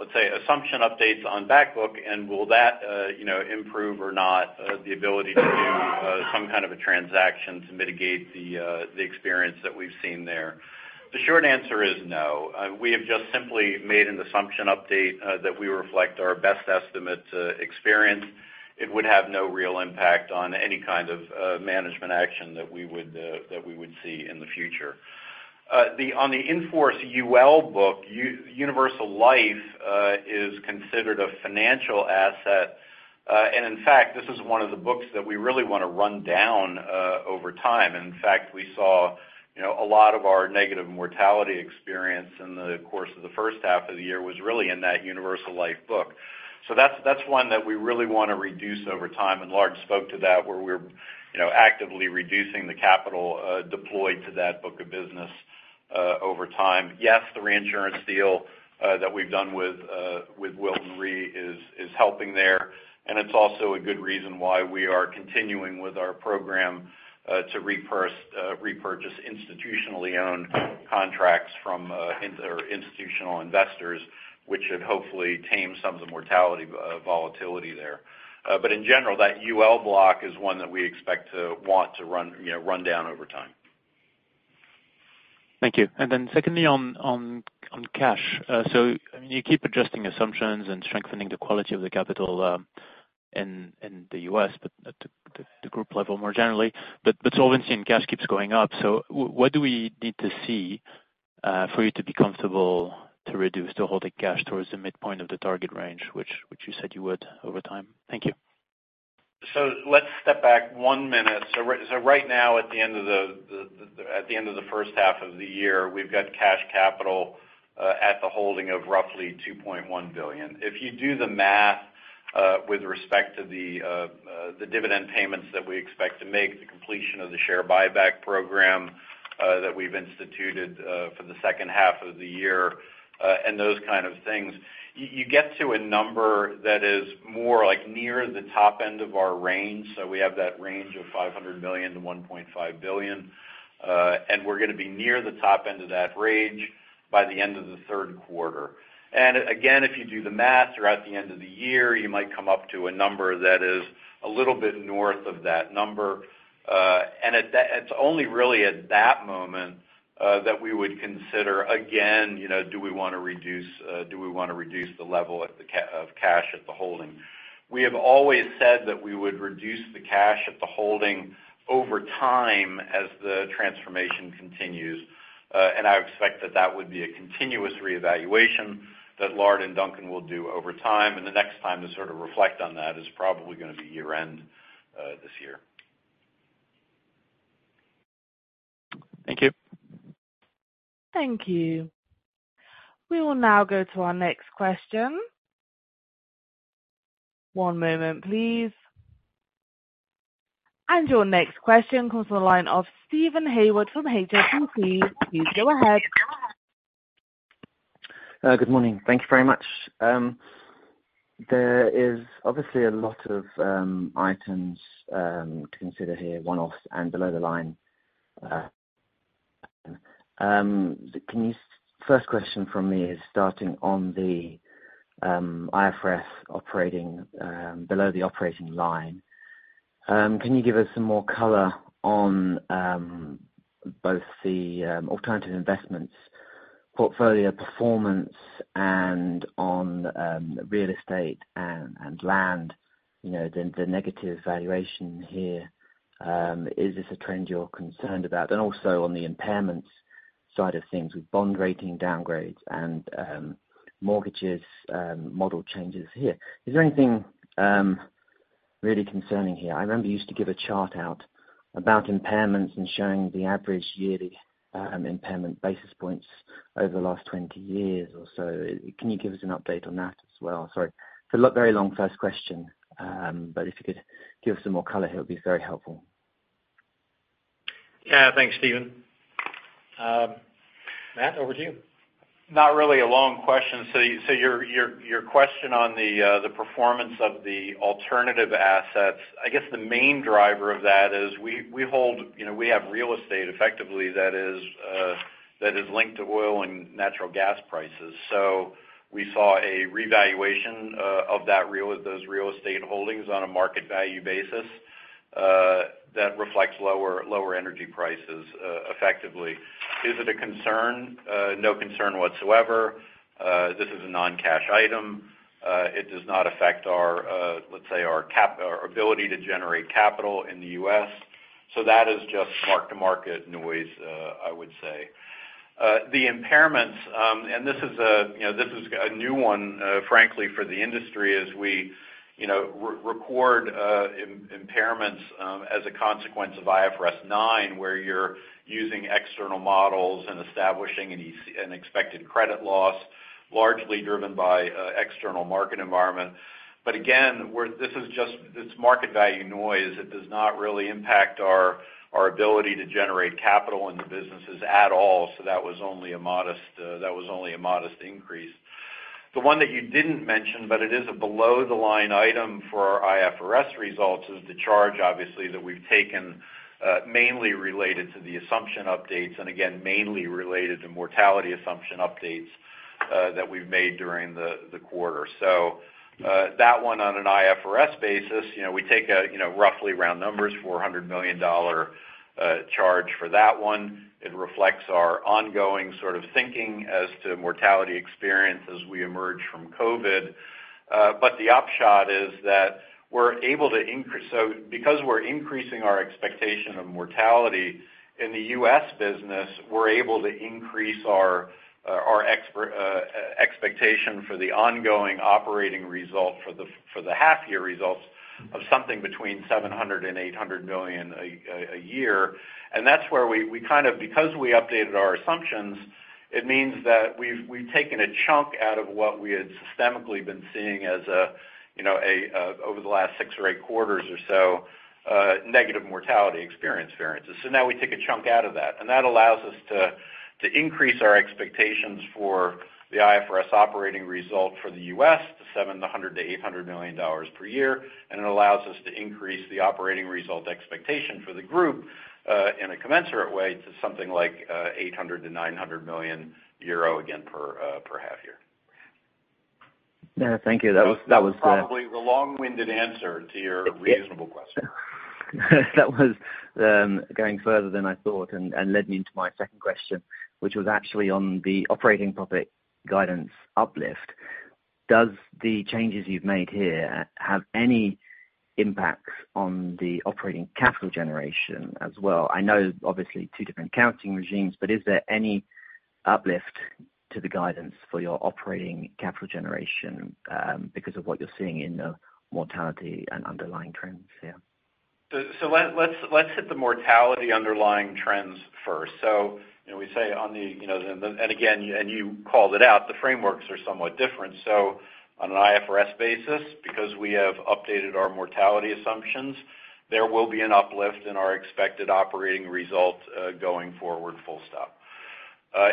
let's say, assumption updates on back book, and will that, you know, improve or not, the ability to do, some kind of a transaction to mitigate the, the experience that we've seen there? The short answer is no. We have just simply made an assumption update, that we reflect our best estimate, experience. It would have no real impact on any kind of, management action that we would see in the future. On the in-force UL book, Universal Life, is considered a financial asset, and in fact, this is one of the books that we really want to run down, over time. And in fact, we saw, you know, a lot of our negative mortality experience in the course of the first half of the year was really in that Universal Life book. So that's one that we really wanna reduce over time, and Lard spoke to that, where we're, you know, actively reducing the capital deployed to that book of business over time. Yes, the reinsurance deal that we've done with Wilton Re is helping there, and it's also a good reason why we are continuing with our program to repurchase institutionally owned contracts from institutional investors, which should hopefully tame some of the mortality volatility there. But in general, that UL block is one that we expect to want to run, you know, run down over time. Thank you. And then secondly, on cash. So, I mean, you keep adjusting assumptions and strengthening the quality of the capital in the US, but at the group level more generally, but solvency and cash keeps going up. So what do we need to see for you to be comfortable to reduce the holding cash towards the midpoint of the target range, which you said you would over time? Thank you. So let's step back one minute. So right now, at the end of the first half of the year, we've got cash capital at the holding of roughly 2.1 billion. If you do the math, with respect to the dividend payments that we expect to make, the completion of the share buyback program that we've instituted for the second half of the year, and those kind of things, you get to a number that is more like near the top end of our range. So we have that range of 500 million-1.5 billion, and we're gonna be near the top end of that range by the end of the third quarter. Again, if you do the math, throughout the end of the year, you might come up to a number that is a little bit north of that number. And at that moment that we would consider, again, you know, do we want to reduce the level of cash at the holding? We have always said that we would reduce the cash at the holding over time as the transformation continues. And I expect that would be a continuous reevaluation that Lard and Duncan will do over time. The next time to sort of reflect on that is probably going to be year-end this year. Thank you. Thank you. We will now go to our next question. One moment, please. And your next question comes from the line of Steven Haywood from HSBC. Please go ahead. Good morning. Thank you very much. There is obviously a lot of items to consider here, one-offs and below the line. Can you-- first question from me is starting on the IFRS operating below the operating line. Can you give us some more color on both the alternative investments portfolio performance, and on real estate and land, you know, the negative valuation here? Is this a trend you're concerned about? Then also on the impairments side of things, with bond rating downgrades and mortgages model changes here, is there anything really concerning here? I remember you used to give a chart out about impairments and showing the average yearly impairment basis points over the last 20 years or so. Can you give us an update on that as well? Sorry for a very long first question, but if you could give us some more color, it would be very helpful. Yeah, thanks, Steven. Matt, over to you. Not really a long question. So your question on the performance of the alternative assets, I guess the main driver of that is we hold, you know, we have real estate effectively that is linked to oil and natural gas prices. So we saw a revaluation of those real estate holdings on a market value basis that reflects lower energy prices effectively. Is it a concern? No concern whatsoever. This is a non-cash item. It does not affect our, let's say, our ability to generate capital in the U.S. So that is just mark-to-market noise, I would say. The impairments, and this is a, you know, this is a new one, frankly, for the industry as we, you know, record, impairments, as a consequence of IFRS 9, where you're using external models and establishing an expected credit loss, largely driven by, external market environment. But again, this is just, it's market value noise. It does not really impact our ability to generate capital in the businesses at all. So that was only a modest increase. The one that you didn't mention, but it is a below the line item for our IFRS results, is the charge, obviously, that we've taken, mainly related to the assumption updates, and again, mainly related to mortality assumption updates, that we've made during the quarter. So, that one, on an IFRS basis, you know, we take a, you know, roughly round numbers, $400 million charge for that one. It reflects our ongoing sort of thinking as to mortality experience as we emerge from COVID. But the upshot is that we're able to increase. So because we're increasing our expectation of mortality in the U.S. business, we're able to increase our expectation for the ongoing operating result for the half year results of something between $700 million and $800 million a year. And that's where we kind of because we updated our assumptions, it means that we've taken a chunk out of what we had systemically been seeing as a, you know, over the last six or eight quarters or so, negative mortality experience variances. So now we take a chunk out of that, and that allows us to increase our expectations for the IFRS operating result for the U.S. to $700 million-$800 million per year. And it allows us to increase the operating result expectation for the group in a commensurate way to something like 800 million-900 million euro, again, per half year. Yeah, thank you. That was- Probably the long-winded answer to your reasonable question. That was going further than I thought and led me into my second question, which was actually on the operating profit guidance uplift. Does the changes you've made here have any impacts on the operating capital generation as well? I know obviously, two different accounting regimes, but is there any uplift to the guidance for your operating capital generation, because of what you're seeing in the mortality and underlying trends here? So let's hit the mortality underlying trends first. So, you know, we say on the, you know, and again, and you called it out, the frameworks are somewhat different. So on an IFRS basis, because we have updated our mortality assumptions, there will be an uplift in our expected operating result going forward, full stop.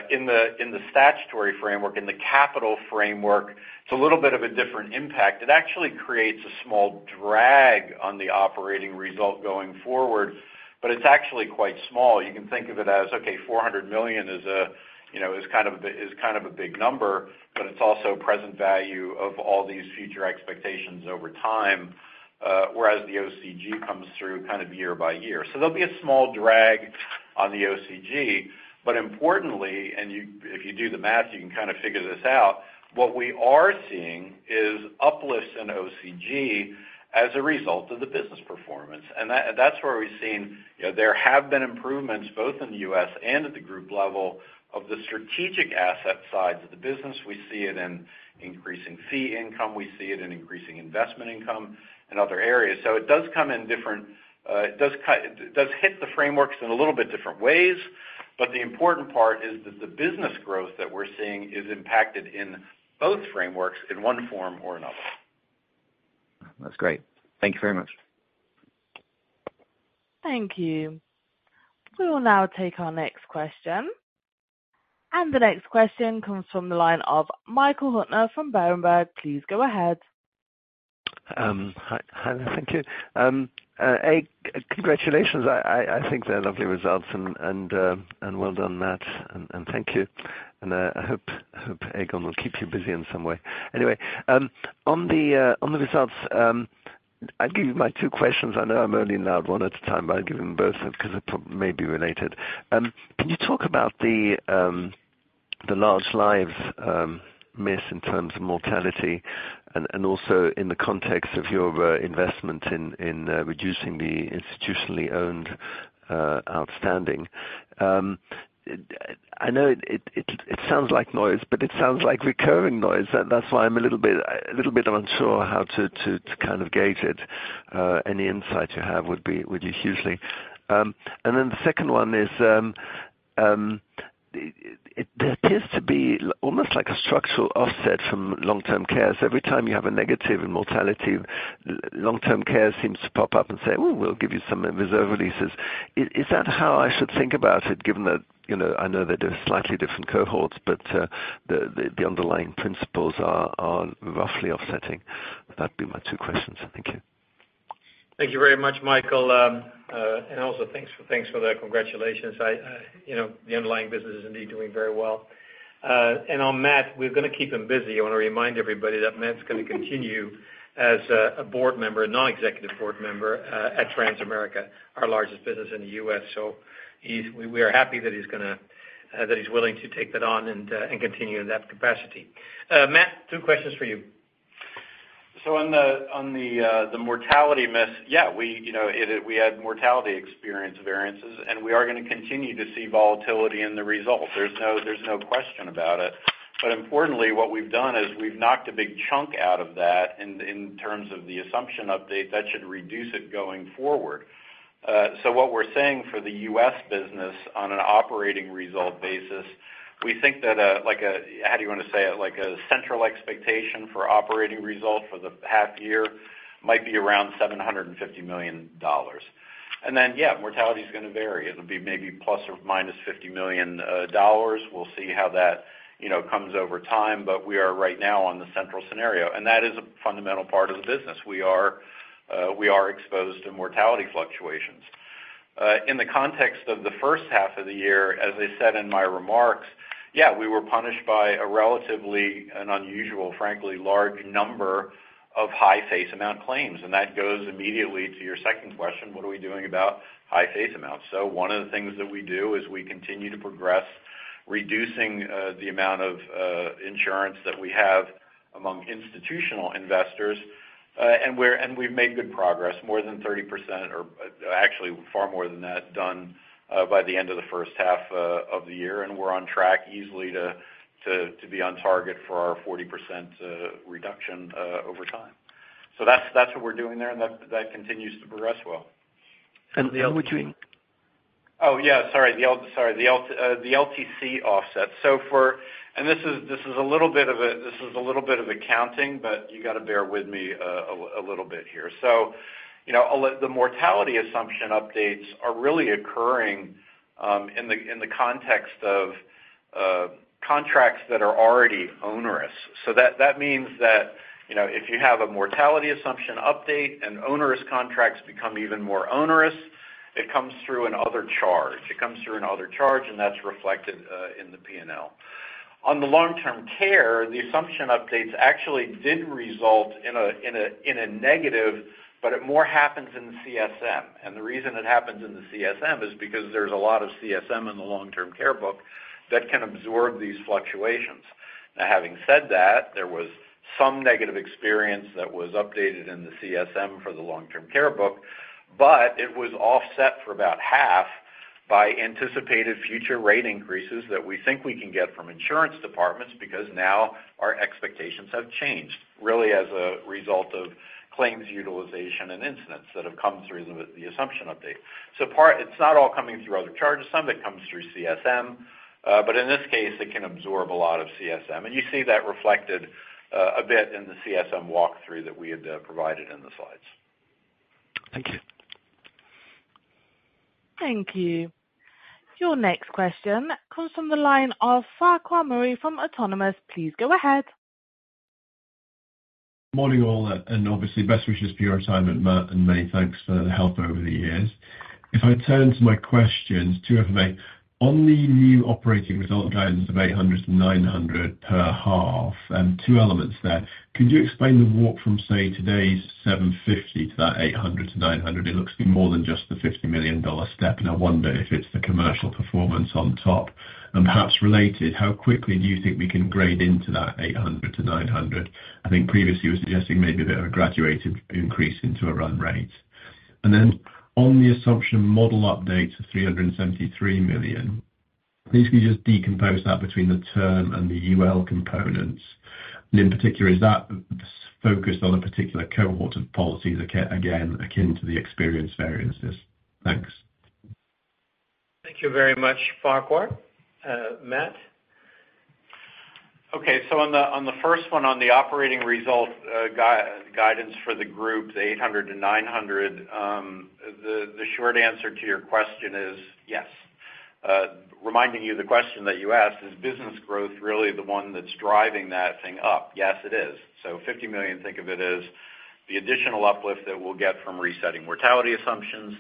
In the statutory framework, in the capital framework, it's a little bit of a different impact. It actually creates a small drag on the operating result going forward, but it's actually quite small. You can think of it as, okay, four hundred million is a, you know, kind of a big number, but it's also present value of all these future expectations over time, whereas the OCG comes through kind of year by year. There'll be a small drag on the OCG, but importantly, and you if you do the math, you can kind of figure this out, what we are seeing is uplifts in OCG as a result of the business performance. And that, and that's where we've seen, you know, there have been improvements, both in the US and at the group level, of the strategic asset sides of the business. We see it in increasing fee income, we see it in increasing investment income and other areas. So it does come in different, it does hit the frameworks in a little bit different ways, but the important part is that the business growth that we're seeing is impacted in both frameworks in one form or another. That's great. Thank you very much. Thank you. We will now take our next question. The next question comes from the line of Michael Huttner from Berenberg. Please go ahead. Hi, thank you. Congratulations. I think they're lovely results and well done, Matt, and thank you. I hope Aegon will keep you busy in some way. Anyway, on the results, I'll give you my two questions. I know I'm only allowed one at a time, but I'll give them both, because it probably may be related. Can you talk about the large lives miss in terms of mortality and also in the context of your investment in reducing the institutionally owned outstanding? I know it sounds like noise, but it sounds like recurring noise. That's why I'm a little bit unsure how to kind of gauge it. Any insight you have would be hugely. And then the second one is, there appears to be almost like a structural offset from Long-Term Care. So every time you have a negative in mortality, Long-Term Care seems to pop up and say, "Oh, we'll give you some reserve releases." Is that how I should think about it, given that, you know, I know they're slightly different cohorts, but, the underlying principles are roughly offsetting? That'd be my two questions. Thank you. Thank you very much, Michael. And also thanks for the congratulations. I, you know, the underlying business is indeed doing very well. And on Matt, we're going to keep him busy. I want to remind everybody that Matt's going to continue as a board member, a non-executive board member, at Transamerica, our largest business in the US. So we are happy that he's willing to take that on and continue in that capacity. Matt, two questions for you. So on the mortality miss, yeah, you know, we had mortality experience variances, and we are going to continue to see volatility in the results. There's no question about it. But importantly, what we've done is we've knocked a big chunk out of that in terms of the assumption update, that should reduce it going forward. So what we're saying for the US business on an operating result basis, we think that like a central expectation for operating result for the half year might be around $750 million. And then, yeah, mortality is going to vary. It'll be maybe plus or minus $50 million. We'll see how that you know comes over time, but we are right now on the central scenario, and that is a fundamental part of the business. We are exposed to mortality fluctuations. In the context of the first half of the year, as I said in my remarks, yeah, we were punished by a relatively, an unusual, frankly, large number of high face amount claims, and that goes immediately to your second question: What are we doing about high face amounts? So one of the things that we do is we continue to progress, reducing, the amount of, insurance that we have among institutional investors, and we've made good progress, more than 30%, or actually far more than that, done, by the end of the first half, of the year, and we're on track easily to be on target for our 40%, reduction, over time. So that's what we're doing there, and that continues to progress well. The LTC? Oh, yeah, sorry. The LTC offset. And this is a little bit of accounting, but you got to bear with me a little bit here. So, you know, the mortality assumption updates are really occurring in the context of contracts that are already onerous. So that means that, you know, if you have a mortality assumption update and onerous contracts become even more onerous, it comes through an other charge. It comes through an other charge, and that's reflected in the P&L. On the Long-Term Care, the assumption updates actually did result in a negative, but it more happens in the CSM. The reason it happens in the CSM is because there's a lot of CSM in the Long-Term Care book that can absorb these fluctuations. Now, having said that, there was some negative experience that was updated in the CSM for the Long-Term Care book, but it was offset for about half by anticipated future rate increases that we think we can get from insurance departments, because now our expectations have changed, really as a result of claims utilization and incidence that have come through the assumption update. So part. It's not all coming through other charges. Some of it comes through CSM, but in this case, it can absorb a lot of CSM. And you see that reflected a bit in the CSM walkthrough that we had provided in the slides. Thank you. Thank you. Your next question comes from the line of Farquhar Murray from Autonomous. Please go ahead. Morning, all, and obviously, best wishes for your retirement, Matt, and many thanks for the help over the years. If I turn to my questions, two of them are on the new operating result guidance of 800-900 per half, and two elements there. Can you explain the walk from, say, today's 750 to that 800-900? It looks to be more than just the $50 million step, and I wonder if it's the commercial performance on top. And perhaps related, how quickly do you think we can grade into that 800-900? I think previously, you were suggesting maybe a bit of a graduated increase into a run rate. And then on the assumption model updates of 373 million, please can you just decompose that between the term and the UL components? In particular, is that focused on a particular cohort of policies, again, akin to the experience variances? Thanks. Thank you very much, Farquhar. Matt? Okay, so on the first one, on the operating result, guidance for the group, the 800-900 million, the short answer to your question is yes. Reminding you the question that you asked, is business growth really the one that's driving that thing up? Yes, it is. So 50 million, think of it as the additional uplift that we'll get from resetting mortality assumptions,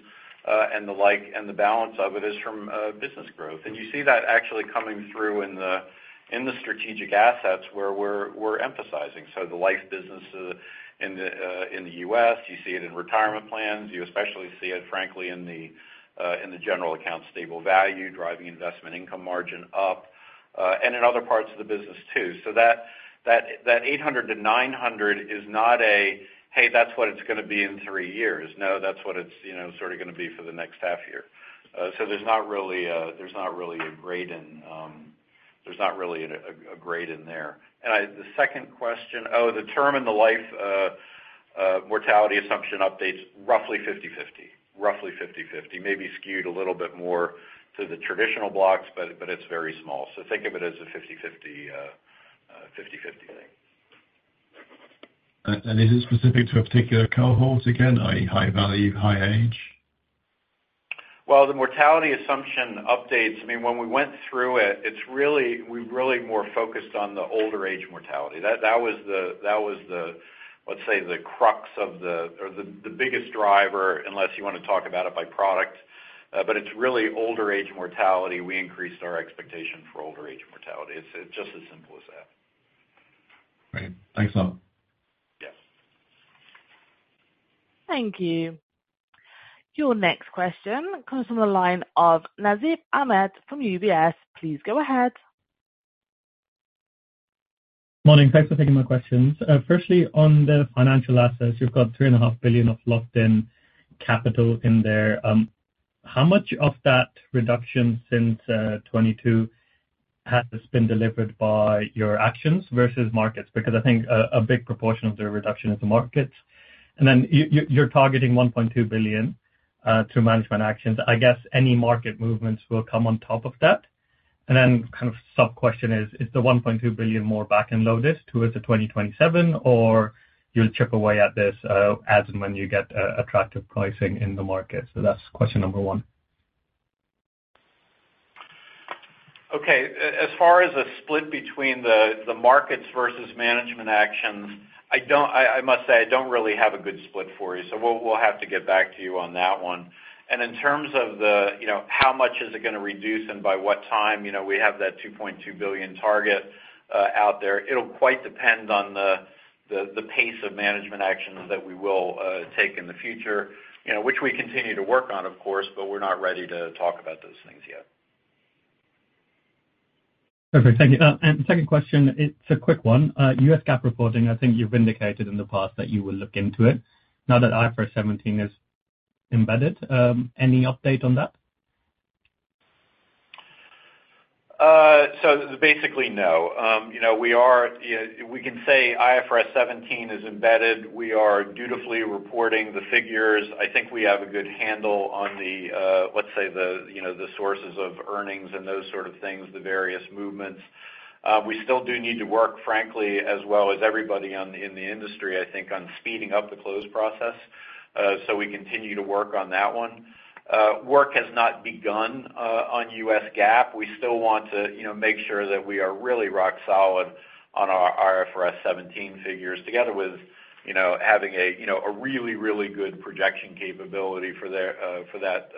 and the like, and the balance of it is from business growth. And you see that actually coming through in the strategic assets where we're emphasizing. So the life business in the U.S., you see it in retirement plans. You especially see it, frankly, in the general account stable value, driving investment income margin up, and in other parts of the business too. So that 800-900 is not a, hey, that's what it's gonna be in three years. No, that's what it's, you know, sort of gonna be for the next half year. So there's not really a grade in there. And the second question, oh, the term and the life mortality assumption updates, roughly fifty-fifty. Roughly fifty-fifty. Maybe skewed a little bit more to the traditional blocks, but it's very small. So think of it as a fifty-fifty thing. And is it specific to a particular cohort, again, i.e., high value, high age? The mortality assumption updates, I mean, when we went through it, it's really. We're really more focused on the older age mortality. That was the, let's say, the crux of the... or the biggest driver, unless you want to talk about it by product. But it's really older age mortality. We increased our expectation for older age mortality. It's just as simple as that. Great. Thanks a lot. Yes. Thank you. Your next question comes from the line of Nasib Ahmed from UBS. Please go ahead. Morning. Thanks for taking my questions. Firstly, on the financial assets, you've got 3.5 billion of locked-in capital in there. How much of that reduction since 2022 has this been delivered by your actions versus markets? Because I think a big proportion of the reduction is the markets. And then you're targeting 1.2 billion through management actions. I guess any market movements will come on top of that. And then kind of sub-question is, is the 1.2 billion more back-end loaded towards the 2027, or you'll chip away at this, as and when you get attractive pricing in the market? So that's question number one. Okay. As far as the split between the markets versus management actions, I must say, I don't really have a good split for you, so we'll have to get back to you on that one. And in terms of, you know, how much is it gonna reduce and by what time, you know, we have that 2.2 billion target out there. It'll quite depend on the pace of management actions that we will take in the future, you know, which we continue to work on, of course, but we're not ready to talk about those things yet. Okay, thank you. And second question, it's a quick one. U.S. GAAP reporting, I think you've indicated in the past that you will look into it now that IFRS 17 is embedded. Any update on that? So basically, no. You know, we are, we can say IFRS 17 is embedded. We are dutifully reporting the figures. I think we have a good handle on the, let's say, the, you know, the sources of earnings and those sort of things, the various movements. We still do need to work, frankly, as well as everybody on the, in the industry, I think, on speeding up the close process. So we continue to work on that one. Work has not begun on US GAAP. We still want to, you know, make sure that we are really rock solid on our IFRS 17 figures, together with, you know, having a, you know, a really, really good projection capability for there, for that,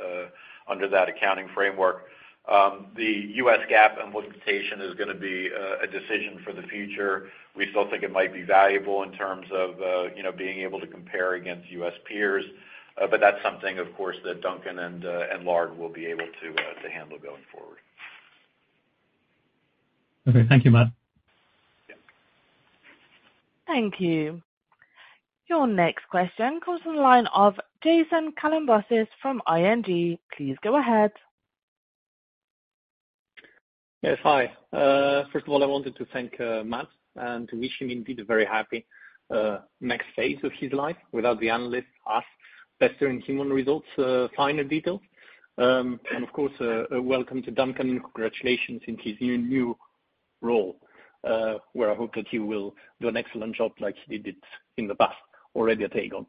under that accounting framework. The US GAAP implementation is gonna be a decision for the future. We still think it might be valuable in terms of, you know, being able to compare against U.S. peers, but that's something, of course, that Duncan and Lard will be able to handle going forward. Okay. Thank you, Matt. Yep. Thank you. Your next question comes from the line of Jason Kalamboussis from ING. Please go ahead. Yes, hi. First of all, I wanted to thank Matt and to wish him indeed a very happy next phase of his life without the analysts, us, pestering him on results, finer details. Of course, welcome to Duncan. Congratulations on his new role, where I hope that he will do an excellent job like he did it in the past, already at Aegon.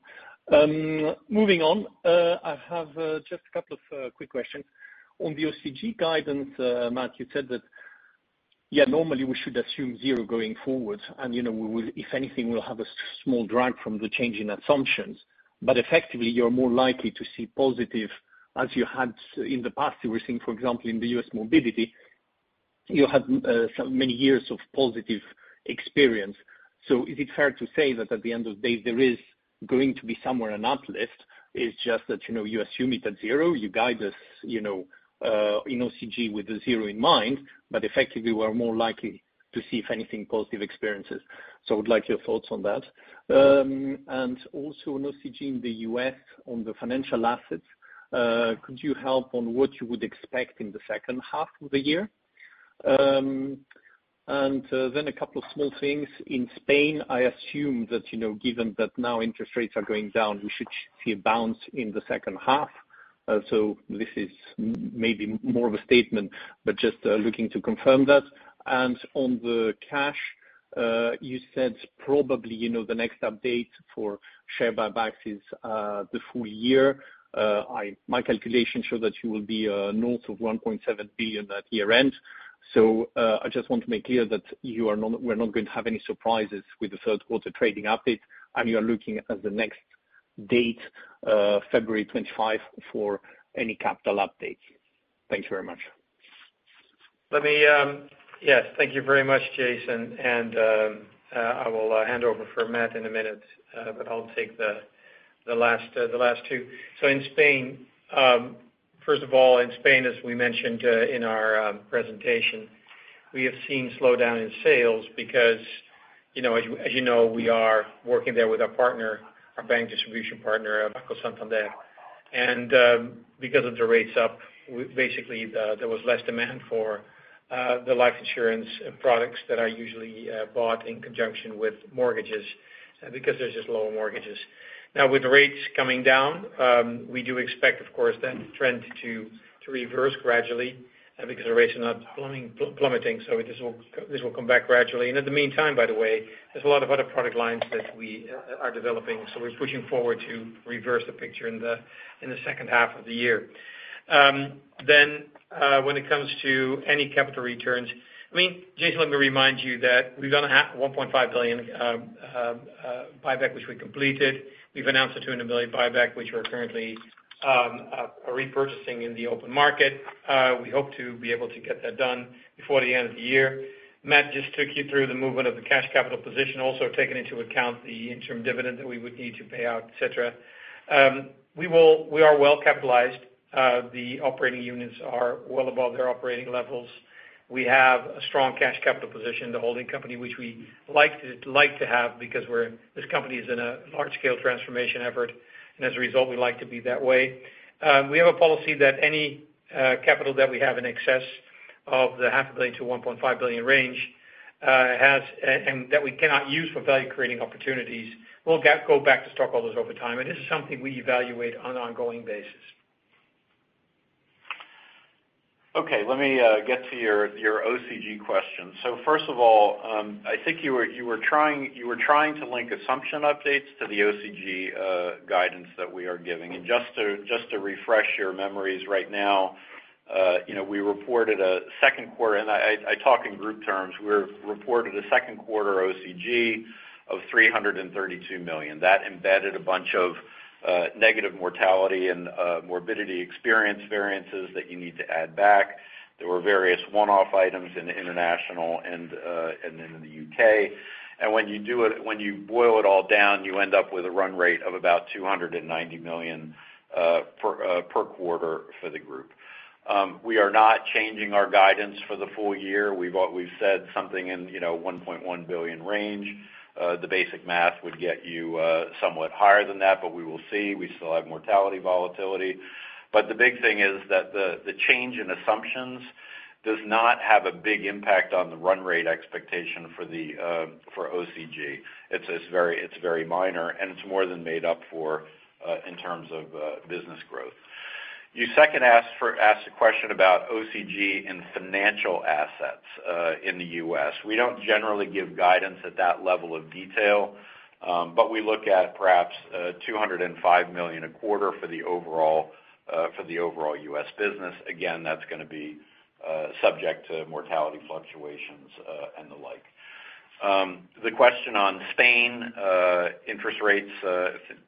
Moving on, I have just a couple of quick questions. On the OCG guidance, Matt, you said, yeah, normally we should assume zero going forward, and, you know, we will, if anything, we'll have a small drag from the change in assumptions. But effectively, you're more likely to see positive as you had in the past, you were seeing, for example, in the U.S. morbidity, you had so many years of positive experience. So is it fair to say that at the end of the day, there is going to be somewhere an uplift? It's just that, you know, you assume it at zero, you guide us, you know, in OCG with a zero in mind, but effectively, we're more likely to see, if anything, positive experiences. So I would like your thoughts on that. And also in OCG in the U.S., on the financial assets, could you help on what you would expect in the second half of the year? And then a couple of small things. In Spain, I assume that, you know, given that now interest rates are going down, we should see a bounce in the second half. So this is maybe more of a statement, but just looking to confirm that. And on the cash, you said probably, you know, the next update for share buybacks is the full year. My calculations show that you will be north of 1.7 billion at year-end. So, I just want to make clear that you are not, we're not going to have any surprises with the third quarter trading update, and you're looking at the next date, February 25, for any capital update. Thank you very much. Let me, yes, thank you very much, Jason, and, I will hand over for Matt in a minute, but I'll take the last two. So in Spain, first of all, in Spain, as we mentioned, in our presentation, we have seen slowdown in sales because, you know, as you know, we are working there with our partner, our bank distribution partner, Banco Santander. And, because of the rates up, basically, there was less demand for the life insurance products that are usually bought in conjunction with mortgages, because there's just lower mortgages. Now, with the rates coming down, we do expect, of course, that trend to reverse gradually, because the rates are not plummeting, so this will come back gradually. In the meantime, by the way, there's a lot of other product lines that we are developing, so we're pushing forward to reverse the picture in the second half of the year. Then, when it comes to any capital returns, I mean, Jason, let me remind you that we've done a 1.5 billion buyback, which we completed. We've announced a 200 million buyback, which we're currently repurchasing in the open market. We hope to be able to get that done before the end of the year. Matt just took you through the movement of the cash capital position, also taking into account the interim dividend that we would need to pay out, etc. We are well capitalized. The operating units are well above their operating levels. We have a strong cash capital position, the holding company, which we like to have because we're this company is in a large-scale transformation effort, and as a result, we like to be that way. We have a policy that any capital that we have in excess of the 0.5 billion-1.5 billion range, and that we cannot use for value creating opportunities, will go back to stockholders over time, and this is something we evaluate on an ongoing basis. Okay, let me get to your OCG question. So first of all, I think you were trying to link assumption updates to the OCG guidance that we are giving. And just to refresh your memories right now, you know, we reported a second quarter, and I talk in group terms. We reported a second quarter OCG of 332 million. That embedded a bunch of negative mortality and morbidity experience variances that you need to add back. There were various one-off items in the international and in the U.K. And when you do it, when you boil it all down, you end up with a run rate of about 290 million per quarter for the group. We are not changing our guidance for the full year. We've said something in, you know, 1.1 billion range. The basic math would get you somewhat higher than that, but we will see. We still have mortality volatility. But the big thing is that the change in assumptions does not have a big impact on the run rate expectation for the OCG. It's very minor, and it's more than made up for in terms of business growth. You asked a question about OCG and financial assets in the US. We don't generally give guidance at that level of detail, but we look at perhaps 205 million a quarter for the overall US business. Again, that's gonna be subject to mortality fluctuations and the like. The question on Spain interest rates,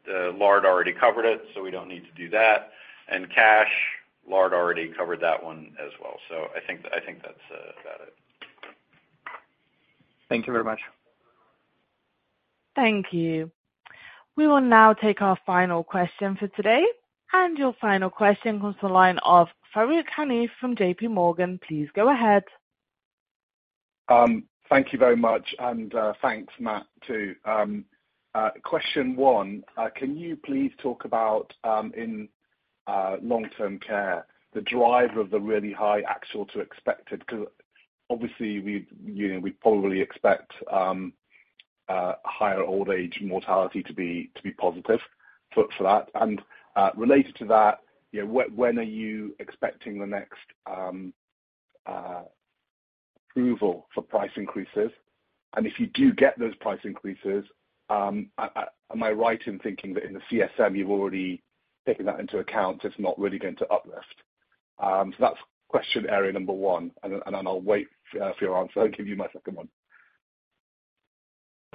Lard already covered it, so we don't need to do that. And cash, Lard already covered that one as well. So I think that's about it. Thank you very much. Thank you. We will now take our final question for today, and your final question comes from the line of Farooq Hanif from JPMorgan. Please go ahead. Thank you very much, and thanks, Matt, too. Question one, can you please talk about, in Long-Term Care, the driver of the really high actual to expected? Because obviously, we, you know, we probably expect higher old age mortality to be positive for that. And related to that, you know, when are you expecting the next approval for price increases? And if you do get those price increases, am I right in thinking that in the CSM, you've already taken that into account, it's not really going to uplift? So that's question area number one, and then I'll wait for your answer. I'll give you my second one.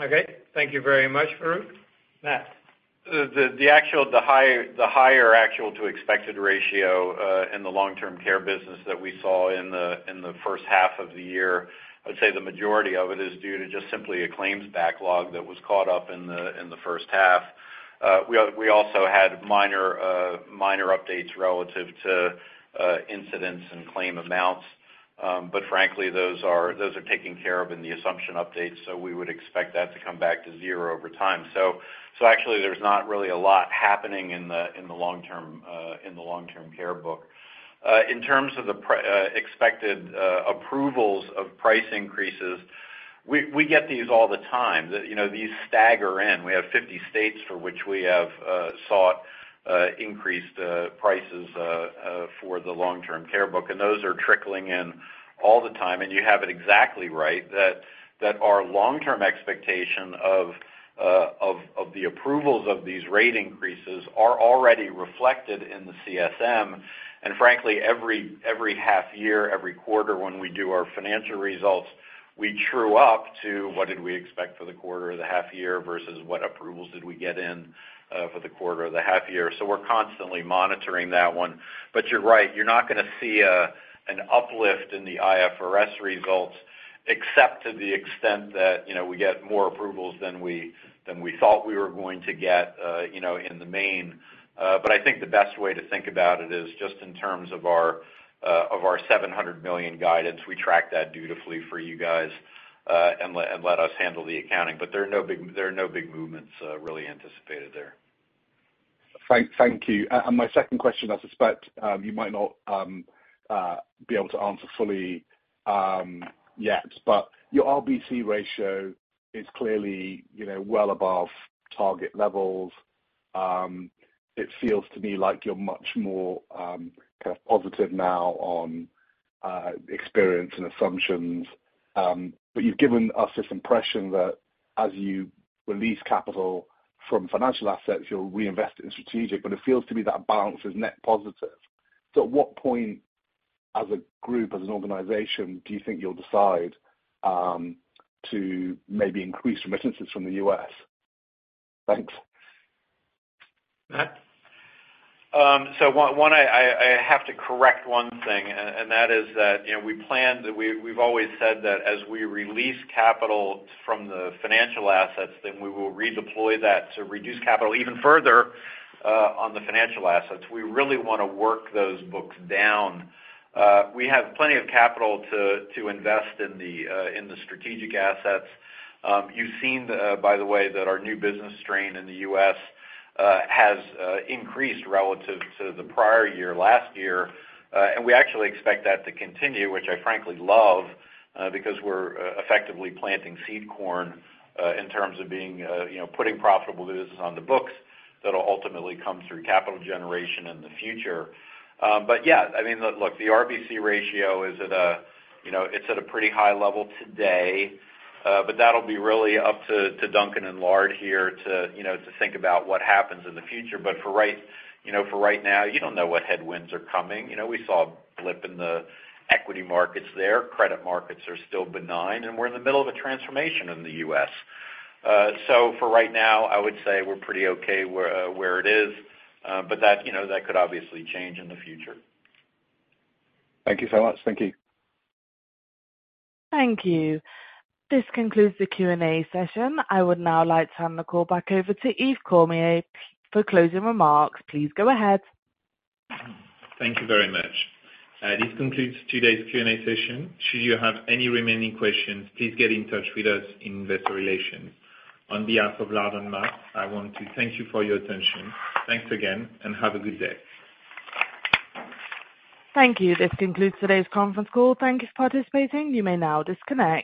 Okay, thank you very much, Farooq. Matt? The higher actual to expected ratio in the Long-Term Care business that we saw in the first half of the year, I'd say the majority of it is due to just simply a claims backlog that was caught up in the first half. We also had minor updates relative to incidents and claim amounts. But frankly, those are taken care of in the assumption updates, so we would expect that to come back to zero over time. Actually there's not really a lot happening in the Long-Term Care book. In terms of the expected approvals of price increases, we get these all the time. You know, these stagger in. We have 50 states for which we have sought increased prices for the Long-Term Care book, and those are trickling in all the time. And you have it exactly right, that our long-term expectation of the approvals of these rate increases are already reflected in the CSM. And frankly, every half year, every quarter when we do our financial results, we true up to what did we expect for the quarter or the half year versus what approvals did we get in for the quarter or the half year. So we're constantly monitoring that one. But you're right, you're not gonna see an uplift in the IFRS results, except to the extent that, you know, we get more approvals than we than we thought we were going to get, you know, in the main. But I think the best way to think about it is just in terms of our 700 million guidance. We track that dutifully for you guys, and let us handle the accounting. But there are no big movements really anticipated there. Thank you. And my second question, I suspect, you might not be able to answer fully yet, but your RBC ratio is clearly, you know, well above target levels. It feels to me like you're much more kind of positive now on experience and assumptions. But you've given us this impression that as you release capital from financial assets, you'll reinvest it in strategic, but it feels to me that balance is net positive. So at what point, as a group, as an organization, do you think you'll decide to maybe increase remittances from the U.S.? Thanks. Matt? So, I have to correct one thing, and that is that, you know, we planned, we've always said that as we release capital from the financial assets, then we will redeploy that to reduce capital even further on the financial assets. We really wanna work those books down. We have plenty of capital to invest in the strategic assets. You've seen, by the way, that our new business strain in the US has increased relative to the prior year, last year. And we actually expect that to continue, which I frankly love, because we're effectively planting seed corn, in terms of being, you know, putting profitable business on the books that'll ultimately come through capital generation in the future. But yeah, I mean, look, the RBC ratio is at a, you know, it's at a pretty high level today, but that'll be really up to Duncan and Lard here to, you know, to think about what happens in the future. But for right now, you don't know what headwinds are coming. You know, we saw a blip in the equity markets there. Credit markets are still benign, and we're in the middle of a transformation in the U.S. So for right now, I would say we're pretty okay where it is, but that, you know, that could obviously change in the future. Thank you so much. Thank you. Thank you. This concludes the Q&A session. I would now like to turn the call back over to Yves Cormier for closing remarks. Please go ahead. Thank you very much. This concludes today's Q&A session. Should you have any remaining questions, please get in touch with us in Investor Relations. On behalf of Lard and Matt, I want to thank you for your attention. Thanks again, and have a good day. Thank you. This concludes today's conference call. Thank you for participating. You may now disconnect.